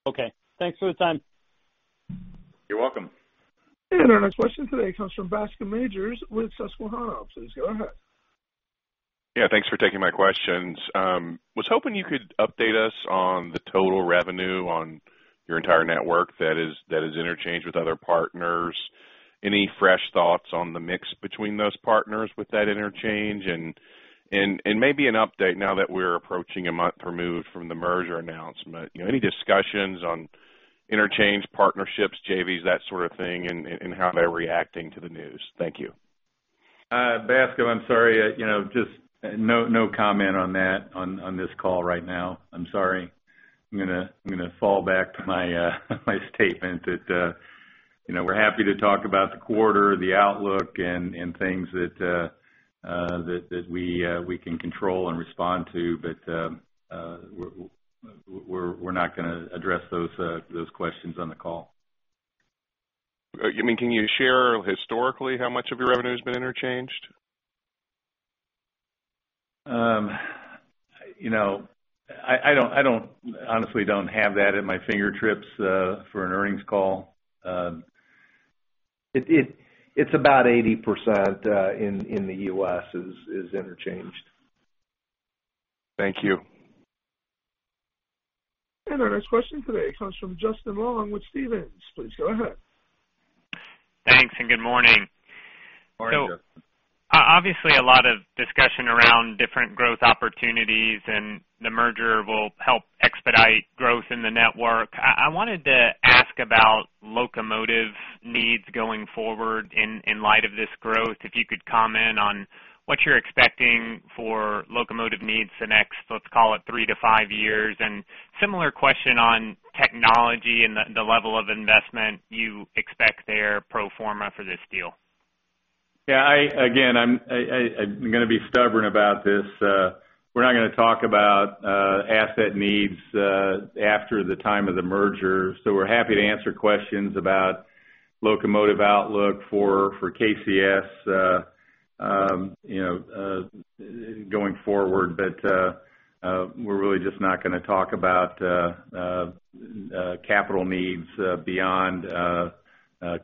Okay. Thanks for the time. You're welcome. Our next question today comes from Bascome Majors with Susquehanna. Please go ahead. Yeah, thanks for taking my questions. Was hoping you could update us on the total revenue on your entire network that is interchange with other partners? Any fresh thoughts on the mix between those partners with that interchange? Maybe an update now that we're approaching a month removed from the merger announcement? Any discussions on interchange partnerships, JVs, that sort of thing, and how they're reacting to the news? Thank you. Bascome, I'm sorry. No comment on that on this call right now. I'm sorry. I'm going to fall back to my statement that we're happy to talk about the quarter, the outlook and things that we can control and respond to, but we're not going to address those questions on the call. You mean can you share historically how much of your revenue has been interchanged? I honestly don't have that at my fingertips for an earnings call. It's about 80% in the U.S. is interchanged. Thank you. Our next question today comes from Justin Long with Stephens. Please go ahead. Thanks, and good morning. Morning, Justin. Obviously a lot of discussion around different growth opportunities, and the merger will help expedite growth in the network. I wanted to ask about locomotive needs going forward in light of this growth, if you could comment on what you're expecting for locomotive needs the next, let's call it three to five years. Similar question on technology and the level of investment you expect there pro forma for this deal. Yeah, again, I'm going to be stubborn about this. We're not going to talk about asset needs after the time of the merger. We're happy to answer questions about locomotive outlook for KCS going forward, but we're really just not going to talk about capital needs beyond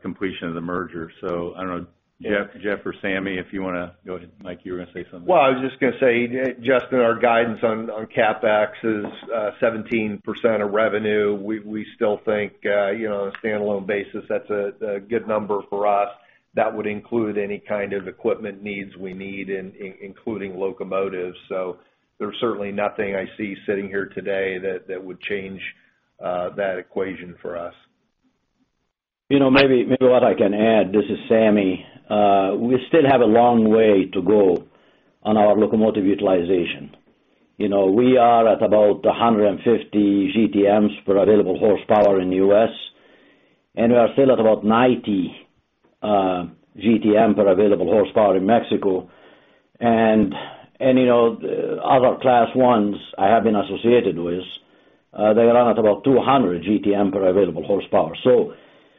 completion of the merger. Jeff or Sameh, if you want to go ahead. Mike, you were going to say something. Well, I was just going to say, Justin, our guidance on CapEx is 17% of revenue. We still think on a standalone basis, that's a good number for us. That would include any kind of equipment needs we need, including locomotives. There's certainly nothing I see sitting here today that would change that equation for us. What I can add, this is Sameh. We still have a long way to go on our locomotive utilization. We are at about 150 GTMs per available horsepower in the U.S., we are still at about 90 GTM per available horsepower in Mexico. Other Class I's I have been associated with, they run at about 200 GTM per available horsepower.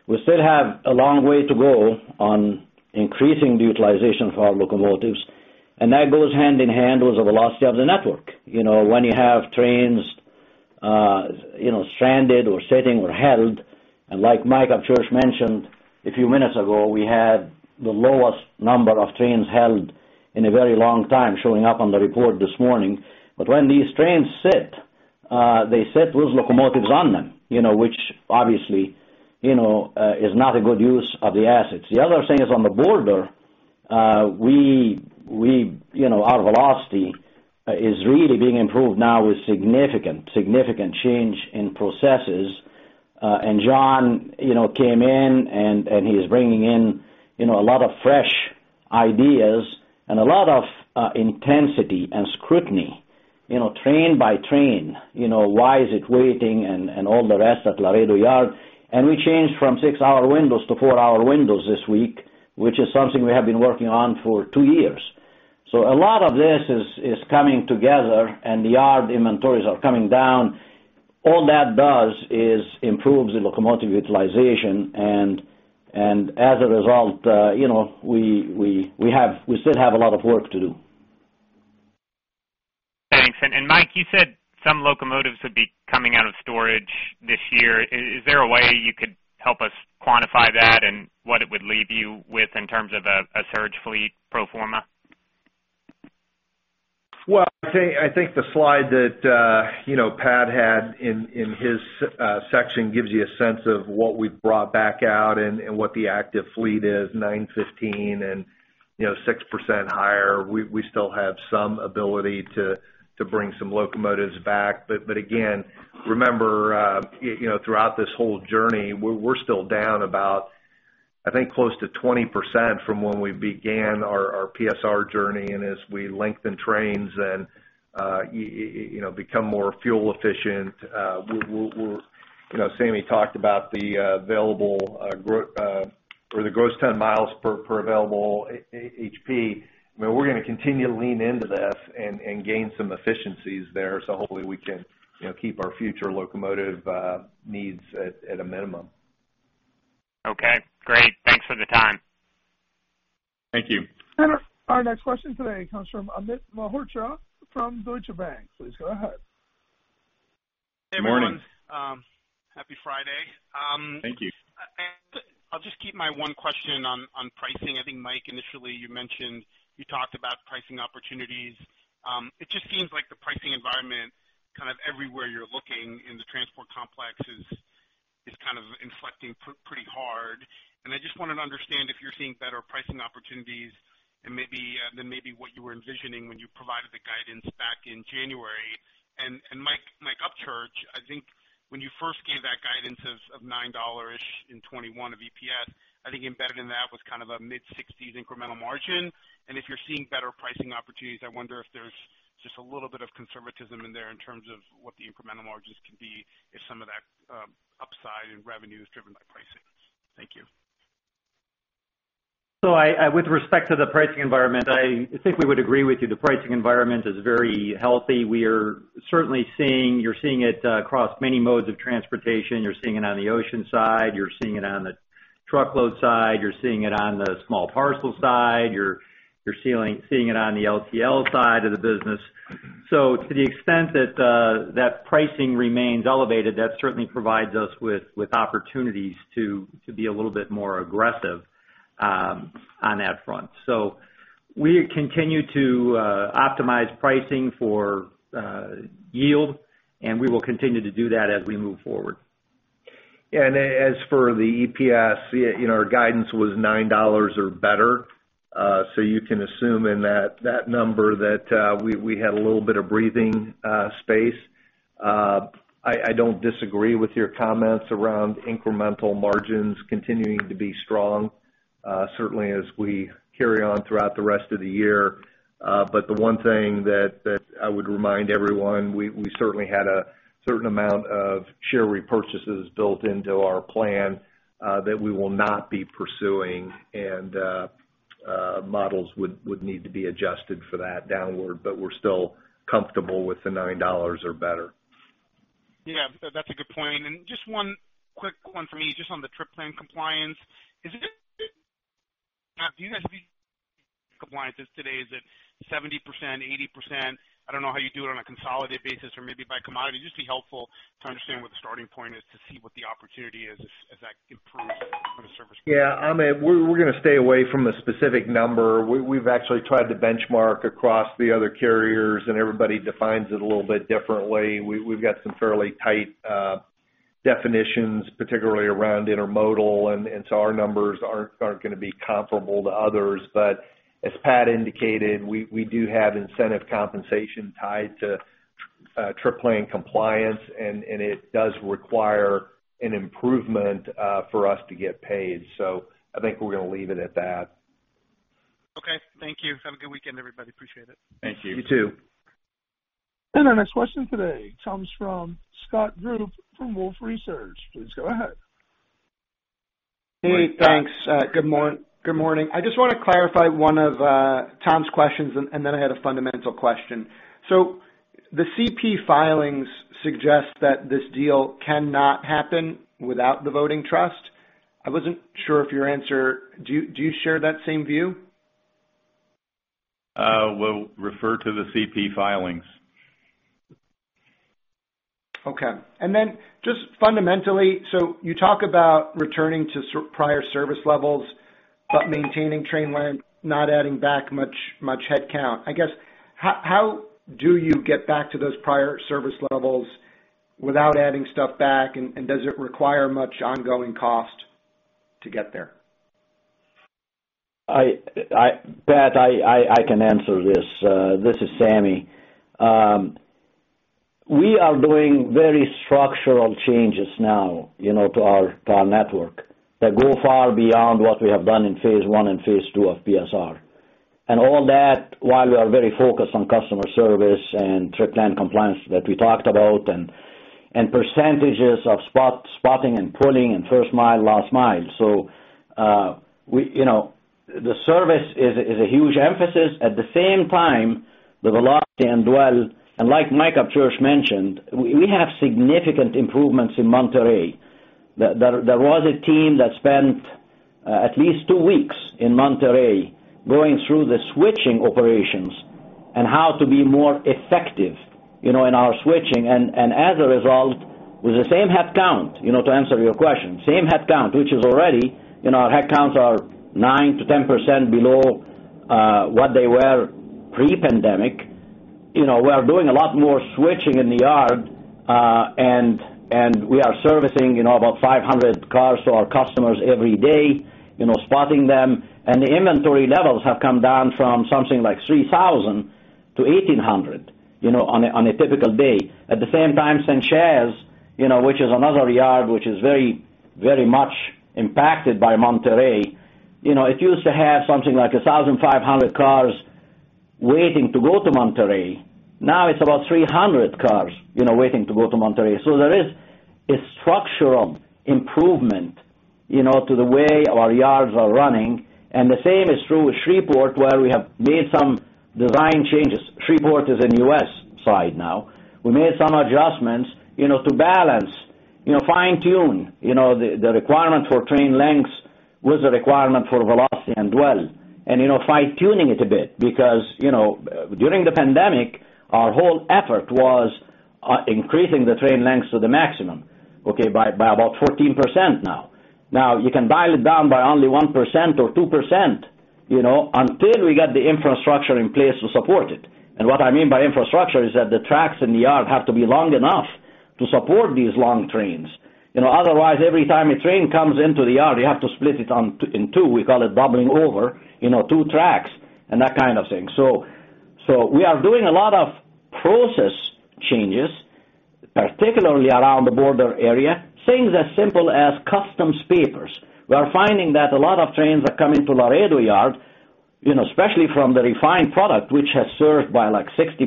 We still have a long way to go on increasing the utilization for our locomotives, and that goes hand in hand with the velocity of the network. When you have trains stranded or sitting or held, like Mike Upchurch mentioned a few minutes ago, we had the lowest number of trains held in a very long time showing up on the report this morning. When these trains sit, they sit with locomotives on them which obviously is not a good use of the assets. The other thing is on the border, our velocity is really being improved now with significant change in processes. John came in, and he is bringing in a lot of fresh ideas and a lot of intensity and scrutiny train by train. Why is it waiting and all the rest at Laredo yard? We changed from six-hour windows to four-hour windows this week, which is something we have been working on for two years. A lot of this is coming together and the yard inventories are coming down. All that does is improves the locomotive utilization, and as a result, we still have a lot of work to do. Thanks. Mike, you said some locomotives would be coming out of storage this year. Is there a way you could help us quantify that and what it would leave you with in terms of a surge fleet pro forma? I think the slide that Pat had in his section gives you a sense of what we've brought back out and what the active fleet is, 915 and 6% higher. We still have some ability to bring some locomotives back. Again, remember, throughout this whole journey, we're still down about, I think, close to 20% from when we began our PSR journey. As we lengthen trains and become more fuel efficient, Sameh talked about the Gross Ton-Miles per available HP. We're going to continue to lean into this and gain some efficiencies there, so hopefully we can keep our future locomotive needs at a minimum. Okay, great. Thanks for the time. Thank you. Our next question today comes from Amit Mehrotra from Deutsche Bank. Please go ahead. Morning. Hey, everyone. Happy Friday. Thank you. I'll just keep my one question on pricing. I think, Mike, initially, you talked about pricing opportunities. It just seems like the pricing environment kind of everywhere you're looking in the transport complex is kind of inflecting pretty hard. I just wanted to understand if you're seeing better pricing opportunities than maybe what you were envisioning when you provided the guidance back in January. Mike Upchurch, I think when you first gave that guidance of $9-ish in 2021 of EPS, I think embedded in that was kind of a mid-60s incremental margin. If you're seeing better pricing opportunities, I wonder if there's just a little bit of conservatism in there in terms of what the incremental margins can be if some of that upside in revenue is driven by pricing. Thank you. With respect to the pricing environment, I think we would agree with you. The pricing environment is very healthy. You're seeing it across many modes of transportation. You're seeing it on the ocean side, you're seeing it on the truckload side, you're seeing it on the small parcel side, you're seeing it on the LTL side of the business. To the extent that that pricing remains elevated, that certainly provides us with opportunities to be a little bit more aggressive on that front. We continue to optimize pricing for yield, and we will continue to do that as we move forward. As for the EPS, our guidance was $9 or better. You can assume in that number that we had a little bit of breathing space. I don't disagree with your comments around incremental margins continuing to be strong certainly as we carry on throughout the rest of the year. The one thing that I would remind everyone, we certainly had a certain amount of share repurchases built into our plan that we will not be pursuing, and models would need to be adjusted for that downward, but we're still comfortable with the $9 or better. Yeah, that's a good point. Just one quick one for me, just on the trip plan compliance. Do you guys have compliance is today. Is it 70%, 80%? I don't know how you do it on a consolidated basis or maybe by commodity. It'd just be helpful to understand what the starting point is to see what the opportunity is as that improves from a service perspective. Yeah, we're going to stay away from a specific number. We've actually tried to benchmark across the other carriers, and everybody defines it a little bit differently. We've got some fairly tight definitions, particularly around intermodal, and so our numbers aren't going to be comparable to others. As Pat indicated, we do have incentive compensation tied to trip plan compliance, and it does require an improvement for us to get paid. I think we're going to leave it at that. Okay, thank you. Have a good weekend, everybody. Appreciate it. Thank you. You too. Our next question today comes from Scott Group from Wolfe Research. Please go ahead. Hey, thanks. Good morning. I just want to clarify one of Tom's questions, and then I had a fundamental question. The CP filings suggest that this deal cannot happen without the voting trust. Do you share that same view? We'll refer to the CP filings. Okay. Just fundamentally, so you talk about returning to prior service levels, but maintaining train length, not adding back much headcount. I guess, how do you get back to those prior service levels without adding stuff back, and does it require much ongoing cost to get there? Pat, I can answer this. This is Sameh. We are doing very structural changes now to our network that go far beyond what we have done in Phase One and Phase Two of PSR. All that, while we are very focused on customer service and trip plan compliance that we talked about and percentages of spotting and pulling and first mile, last mile. The service is a huge emphasis. At the same time, the Velocity and Dwell, and like Mike Upchurch mentioned, we have significant improvements in Monterrey. There was a team that spent at least two weeks in Monterrey going through the switching operations and how to be more effective in our switching. As a result, with the same headcount, to answer your question, same headcount, which is already our headcounts are 9%-10% below what they were pre-pandemic. We are doing a lot more switching in the yard, and we are servicing about 500 cars to our customers every day, spotting them. The inventory levels have come down from something like 3,000 to 1,800 on a typical day. At the same time, Sanchez, which is another yard which is very much impacted by Monterrey, it used to have something like 1,500 cars waiting to go to Monterrey. Now it's about 300 cars waiting to go to Monterrey. There is a structural improvement to the way our yards are running, and the same is true with Shreveport, where we have made some design changes. Shreveport is in U.S. side now. We made some adjustments to balance, fine-tune the requirement for train lengths with the requirement for Velocity and Dwell, and fine-tuning it a bit because, during the pandemic, our whole effort was increasing the train lengths to the maximum, okay, by about 14% now. You can dial it down by only 1% or 2%, until we get the infrastructure in place to support it. What I mean by infrastructure is that the tracks in the yard have to be long enough to support these long trains. Otherwise, every time a train comes into the yard, you have to split it in two, we call it doubling over, two tracks and that kind of thing. We are doing a lot of process changes, particularly around the border area, things as simple as customs papers. We are finding that a lot of trains are coming to Laredo yard, especially from the refined product, which has surged by like 60%,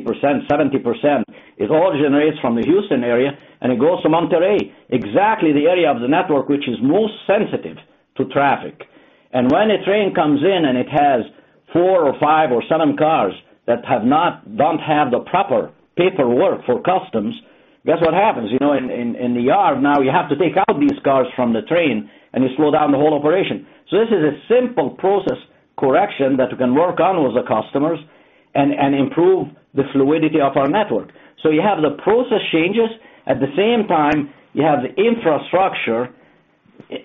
70%. It all generates from the Houston area, it goes to Monterrey, exactly the area of the network which is most sensitive to traffic. When a train comes in and it has four or five or seven cars that don't have the proper paperwork for customs, guess what happens? In the yard now, you have to take out these cars from the train, you slow down the whole operation. This is a simple process correction that we can work on with the customers and improve the fluidity of our network. You have the process changes. At the same time, you have the infrastructure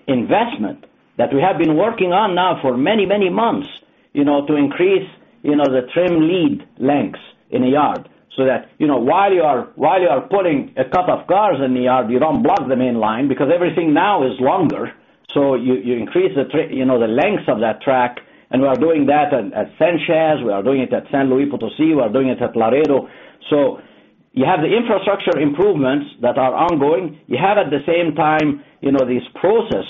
investment that we have been working on now for many, many months to increase the train lead lengths in the yard, so that while you are pulling a couple of cars in the yard, you don't block the main line because everything now is longer. You increase the lengths of that track, and we are doing that at Sanchez, we are doing it at San Luis Potosí, we are doing it at Laredo. You have the infrastructure improvements that are ongoing. You have, at the same time, this process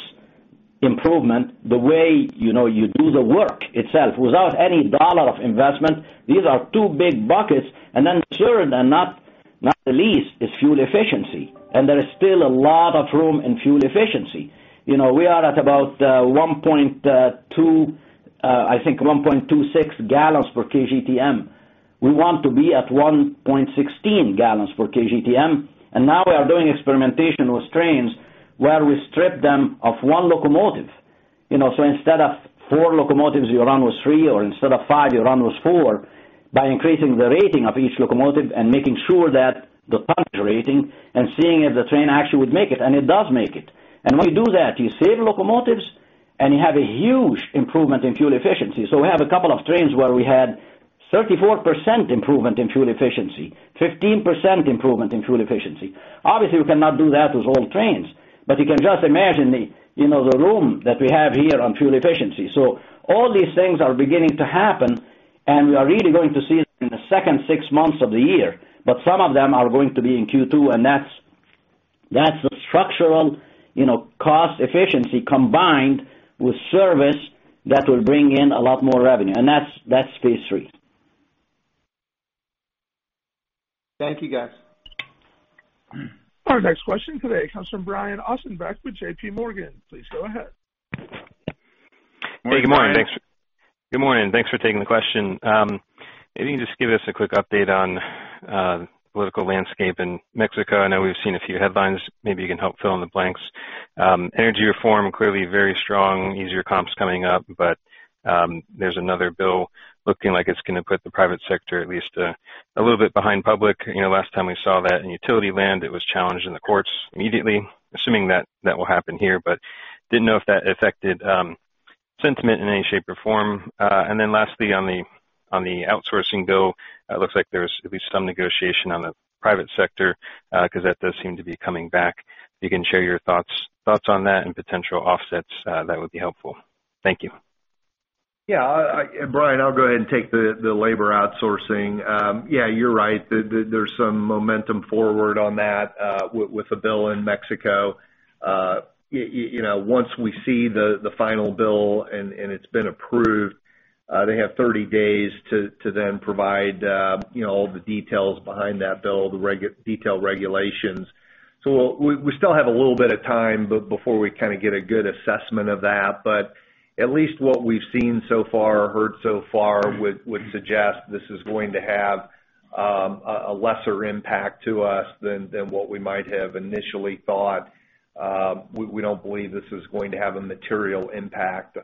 improvement, the way you do the work itself without any dollar of investment. These are two big buckets. Then third, and not the least, is fuel efficiency, and there is still a lot of room in fuel efficiency. We are at about, I think, 1.26 gallons per KGTM. We want to be at 1.16 gallons per KGTM. Now we are doing experimentation with trains where we strip them of one locomotive. Instead of four locomotives, you run with three, or instead of five, you run with four by increasing the rating of each locomotive and making sure that the [punch] rating and seeing if the train actually would make it, and it does make it. When you do that, you save locomotives, and you have a huge improvement in fuel efficiency. We have a couple of trains where we had 34% improvement in fuel efficiency, 15% improvement in fuel efficiency. Obviously, we cannot do that with all trains, but you can just imagine the room that we have here on fuel efficiency. All these things are beginning to happen, and we are really going to see it in the second six months of the year. Some of them are going to be in Q2, and that's the structural cost efficiency combined with service that will bring in a lot more revenue. That's Phase three. Thank you, guys. Our next question today comes from Brian Ossenbeck with JPMorgan. Please go ahead. Hey, good morning. Morning, Brian. Good morning. Thanks for taking the question. Maybe you can just give us a quick update on political landscape in Mexico. I know we've seen a few headlines. Maybe you can help fill in the blanks. Energy reform, clearly very strong, easier comps coming up, but there's another bill looking like it's going to put the private sector at least a little bit behind public. Last time we saw that in utility land, it was challenged in the courts immediately, assuming that will happen here, but didn't know if that affected sentiment in any shape or form. Lastly, on the outsourcing bill, it looks like there's at least some negotiation on the private sector, because that does seem to be coming back. If you can share your thoughts on that and potential offsets, that would be helpful. Thank you. Brian, I'll go ahead and take the labor outsourcing. You're right. There's some momentum forward on that with the bill in Mexico. Once we see the final bill and it's been approved, they have 30 days to then provide all the details behind that bill, the detailed regulations. We still have a little bit of time before we kind of get a good assessment of that. At least what we've seen so far or heard so far would suggest this is going to have a lesser impact to us than what we might have initially thought. We don't believe this is going to have a material impact,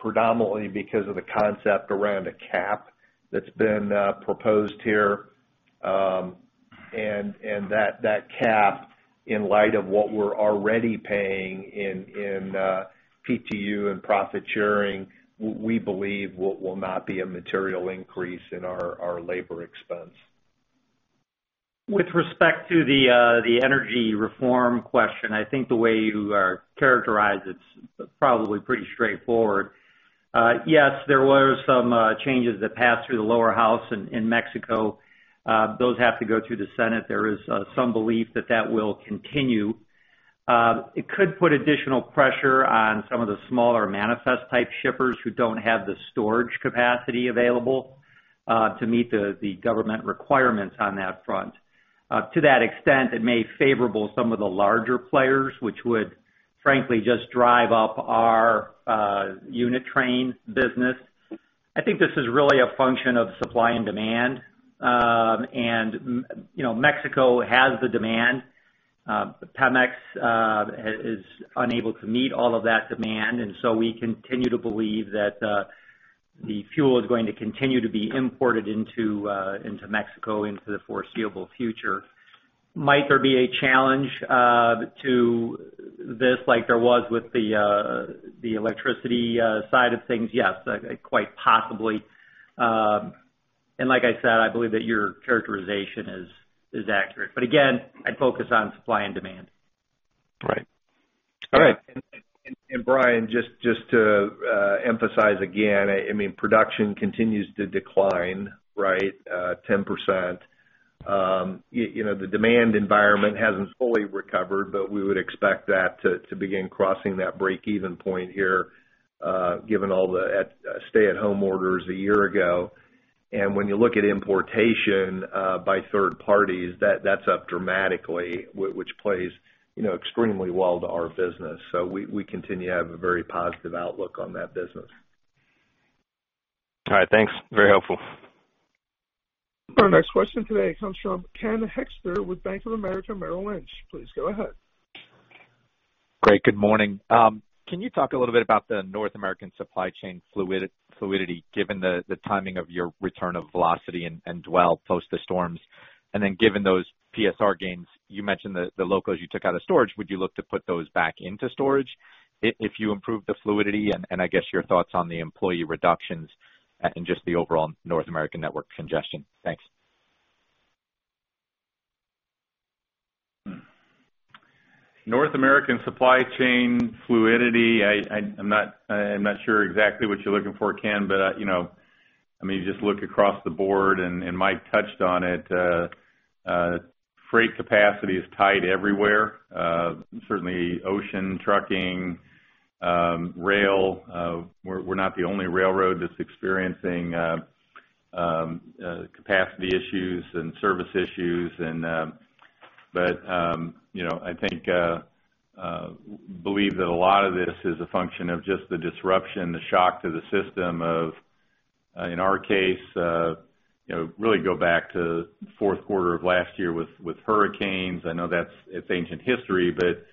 predominantly because of the concept around a cap that's been proposed here. That cap, in light of what we're already paying in PTU and profit sharing, we believe will not be a material increase in our labor expense. With respect to the energy reform question, I think the way you characterized it is probably pretty straightforward. Yes, there were some changes that passed through the lower house in Mexico. Those have to go through the Senate. There is some belief that that will continue. It could put additional pressure on some of the smaller manifest type shippers who don't have the storage capacity available to meet the government requirements on that front. To that extent, it may favor some of the larger players, which would frankly just drive up our unit train business. I think this is really a function of supply and demand. Mexico has the demand. Pemex is unable to meet all of that demand, and so we continue to believe that the fuel is going to continue to be imported into Mexico into the foreseeable future. Might there be a challenge to this like there was with the electricity side of things? Yes, quite possibly. Like I said, I believe that your characterization is accurate. Again, I'd focus on supply and demand. Right. All right. Brian, just to emphasize again, production continues to decline 10%. The demand environment hasn't fully recovered, but we would expect that to begin crossing that break-even point here given all the stay-at-home orders a year ago. When you look at importation by third parties, that's up dramatically, which plays extremely well to our business. We continue to have a very positive outlook on that business. All right, thanks. Very helpful. Our next question today comes from Ken Hoexter with Bank of America Merrill Lynch. Please go ahead. Great. Good morning. Can you talk a little bit about the North American supply chain fluidity, given the timing of your return of Velocity and Dwell post the storms? Given those PSR gains, you mentioned the locos you took out of storage, would you look to put those back into storage if you improve the fluidity? I guess your thoughts on the employee reductions and just the overall North American network congestion. Thanks. North American supply chain fluidity, I'm not sure exactly what you're looking for, Ken, but just look across the board and Mike touched on it. Freight capacity is tight everywhere, certainly ocean trucking, rail. We're not the only railroad that's experiencing capacity issues and service issues. I believe that a lot of this is a function of just the disruption, the shock to the system of, in our case really go back to fourth quarter of last year with hurricanes. I know that's ancient history, but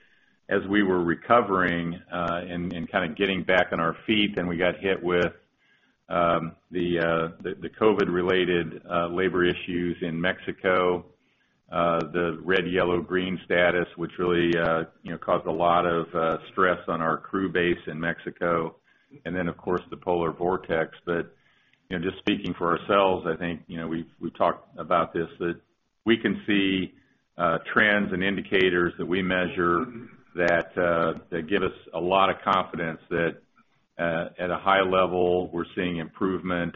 as we were recovering and kind of getting back on our feet, then we got hit with the COVID-related labor issues in Mexico, the red, yellow, green status, which really caused a lot of stress on our crew base in Mexico. Of course, the polar vortex. Just speaking for ourselves, I think, we've talked about this, that we can see trends and indicators that we measure that give us a lot of confidence that at a high level, we're seeing improvement,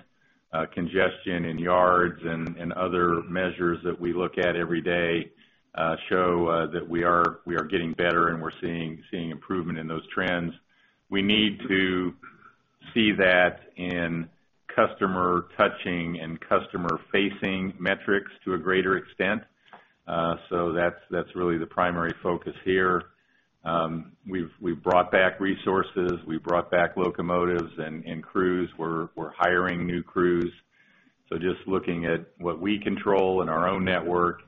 congestion in yards, and other measures that we look at every day show that we are getting better and we're seeing improvement in those trends. We need to see that in customer-touching and customer-facing metrics to a greater extent. That's really the primary focus here. We've brought back resources, we brought back locomotives and crews. We're hiring new crews. Just looking at what we control in our own network,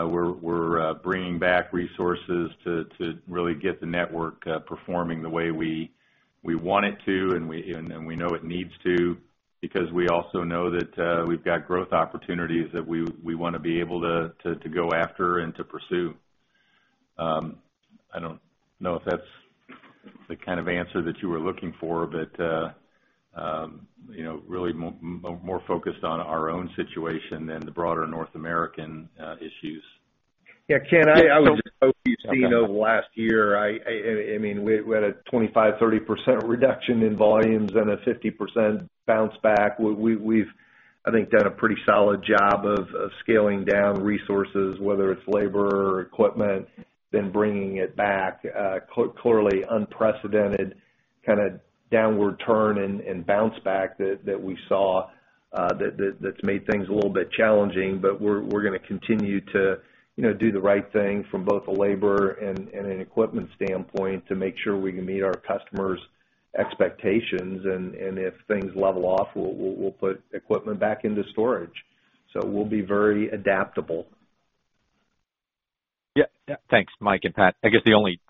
we're bringing back resources to really get the network performing the way we want it to and we know it needs to because we also know that we've got growth opportunities that we want to be able to go after and to pursue. I don't know if that's the kind of answer that you were looking for, but really more focused on our own situation than the broader North American issues. Yeah, Ken, I would hope you've seen over the last year, we had a 25%, 30% reduction in volumes and a 50% bounce back. We've, I think, done a pretty solid job of scaling down resources, whether it's labor or equipment, then bringing it back. Clearly unprecedented kind of downward turn and bounce back that we saw that's made things a little bit challenging. We're going to continue to do the right thing from both a labor and an equipment standpoint to make sure we can meet our customers' expectations. If things level off, we'll put equipment back into storage. We'll be very adaptable. Yeah. Thanks, Mike and Pat. I guess the only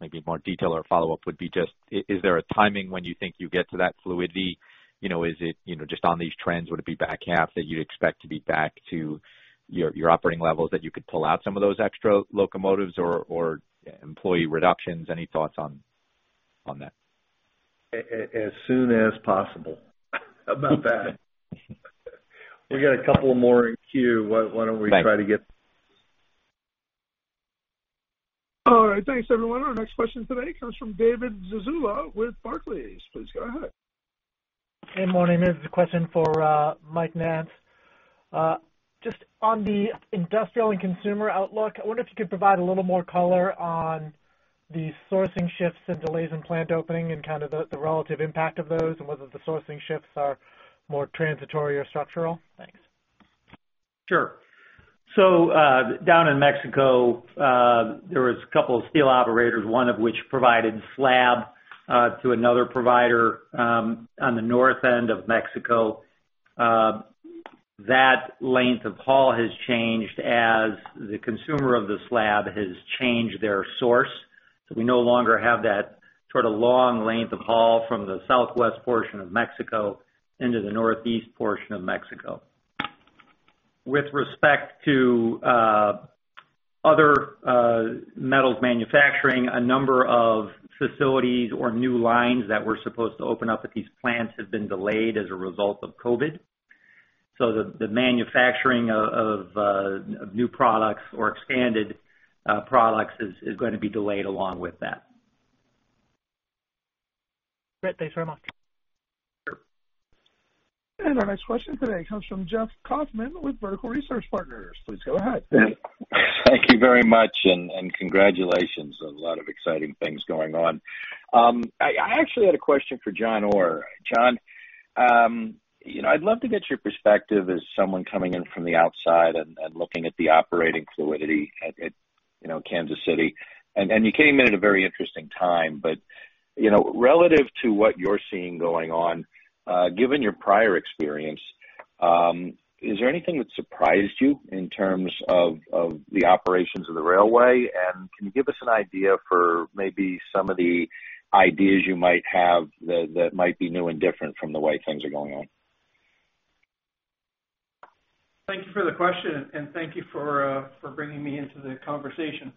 maybe more detail or follow-up would be just, is there a timing when you think you get to that fluidity? Is it just on these trends? Would it be back half that you'd expect to be back to your operating levels that you could pull out some of those extra locomotives or employee reductions? Any thoughts on that? As soon as possible. How about that? We got a couple more in queue. Why don't we try to get- Thanks. All right. Thanks everyone. Our next question today comes from David Zazula with Barclays. Please go ahead. Morning. This is a question for Mike Naatz. Just on the industrial and consumer outlook, I wonder if you could provide a little more color on the sourcing shifts and delays in plant opening and kind of the relative impact of those, and whether the sourcing shifts are more transitory or structural. Thanks. Down in Mexico, there was a couple of steel operators, one of which provided slab to another provider on the north end of Mexico. That length of haul has changed as the consumer of the slab has changed their source. We no longer have that sort of long length of haul from the southwest portion of Mexico into the northeast portion of Mexico. With respect to other metals manufacturing, a number of facilities or new lines that were supposed to open up at these plants have been delayed as a result of COVID. The manufacturing of new products or expanded products is going to be delayed along with that. Great. Thanks very much. Sure. Our next question today comes from Jeff Kauffman with Vertical Research Partners. Please go ahead. Thank you very much and congratulations. A lot of exciting things going on. I actually had a question for John Orr. John, I'd love to get your perspective as someone coming in from the outside and looking at the operating fluidity at Kansas City. You came in at a very interesting time, but relative to what you're seeing going on, given your prior experience, is there anything that surprised you in terms of the operations of the railway? Can you give us an idea for maybe some of the ideas you might have that might be new and different from the way things are going on? Thank you for the question and thank you for bringing me into the conversation.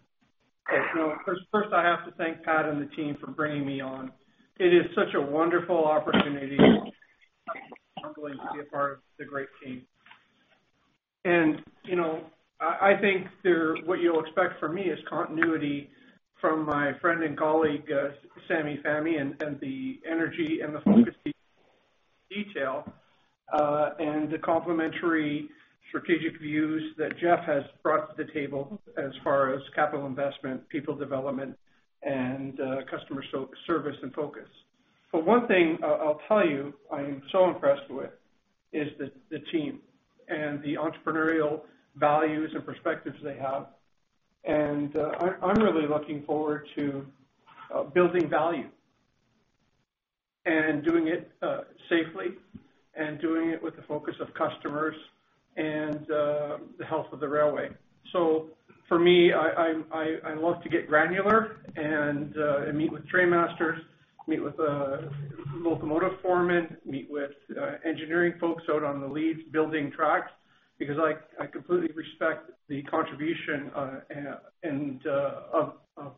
First I have to thank Pat and the team for bringing me on. It is such a wonderful opportunity to be a part of the great team. I think what you'll expect from me is continuity from my friend and colleague, Sameh Fahmy, and the energy and the focus to detail, and the complementary strategic views that Jeff has brought to the table as far as capital investment, people development, and customer service and focus. One thing I'll tell you I am so impressed with is the team and the entrepreneurial values and perspectives they have. I'm really looking forward to building value and doing it safely and doing it with the focus of customers and the health of the railway. For me, I love to get granular and meet with train masters, meet with locomotive foremen, meet with engineering folks out on the leads building tracks because I completely respect the contribution of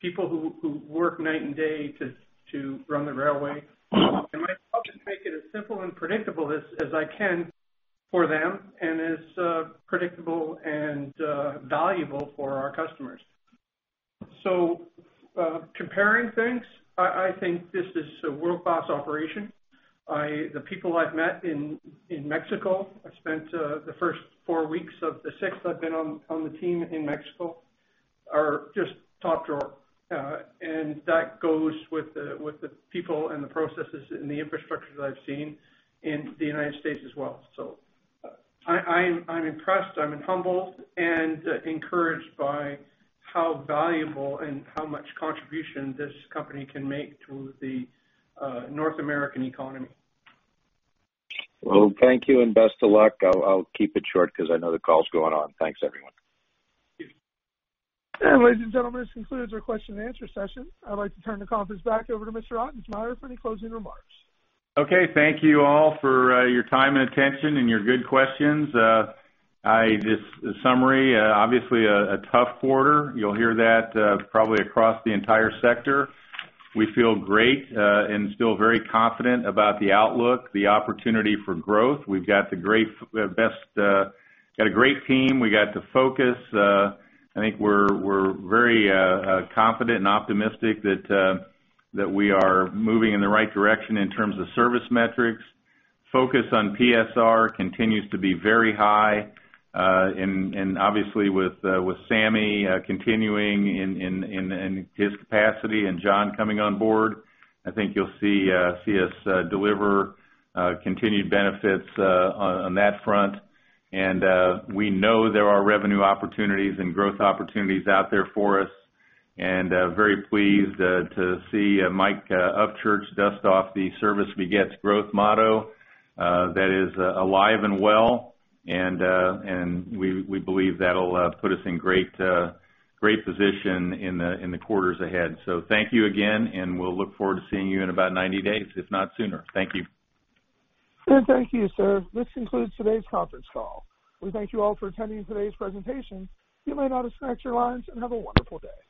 people who work night and day to run the railway. My job is to make it as simple and predictable as I can for them and as predictable and valuable for our customers. Comparing things, I think this is a world-class operation. The people I've met in Mexico, I spent the first four weeks of the six I've been on the team in Mexico, are just top drawer. That goes with the people and the processes and the infrastructure that I've seen in the U.S. as well. I'm impressed, I'm humbled, and encouraged by how valuable and how much contribution this company can make to the North American economy. Well, thank you, and best of luck. I'll keep it short because I know the call's going on. Thanks, everyone. Ladies and gentlemen, this concludes our question and answer session. I'd like to turn the conference back over to Mr. Ottensmeyer for any closing remarks. Okay. Thank you all for your time and attention and your good questions. This summary, obviously a tough quarter. You'll hear that probably across the entire sector. We feel great and still very confident about the outlook, the opportunity for growth. We've got a great team. We got the focus. I think we're very confident and optimistic that we are moving in the right direction in terms of service metrics. Focus on PSR continues to be very high. Obviously with Sameh continuing in his capacity and John coming on board, I think you'll see us deliver continued benefits on that front. We know there are revenue opportunities and growth opportunities out there for us, and very pleased to see Mike Upchurch dust off the service begets growth motto that is alive and well. We believe that'll put us in great position in the quarters ahead. Thank you again, and we'll look forward to seeing you in about 90 days, if not sooner. Thank you. Thank you, sir. This concludes today's conference call. We thank you all for attending today's presentation. You may now disconnect your lines and have a wonderful day.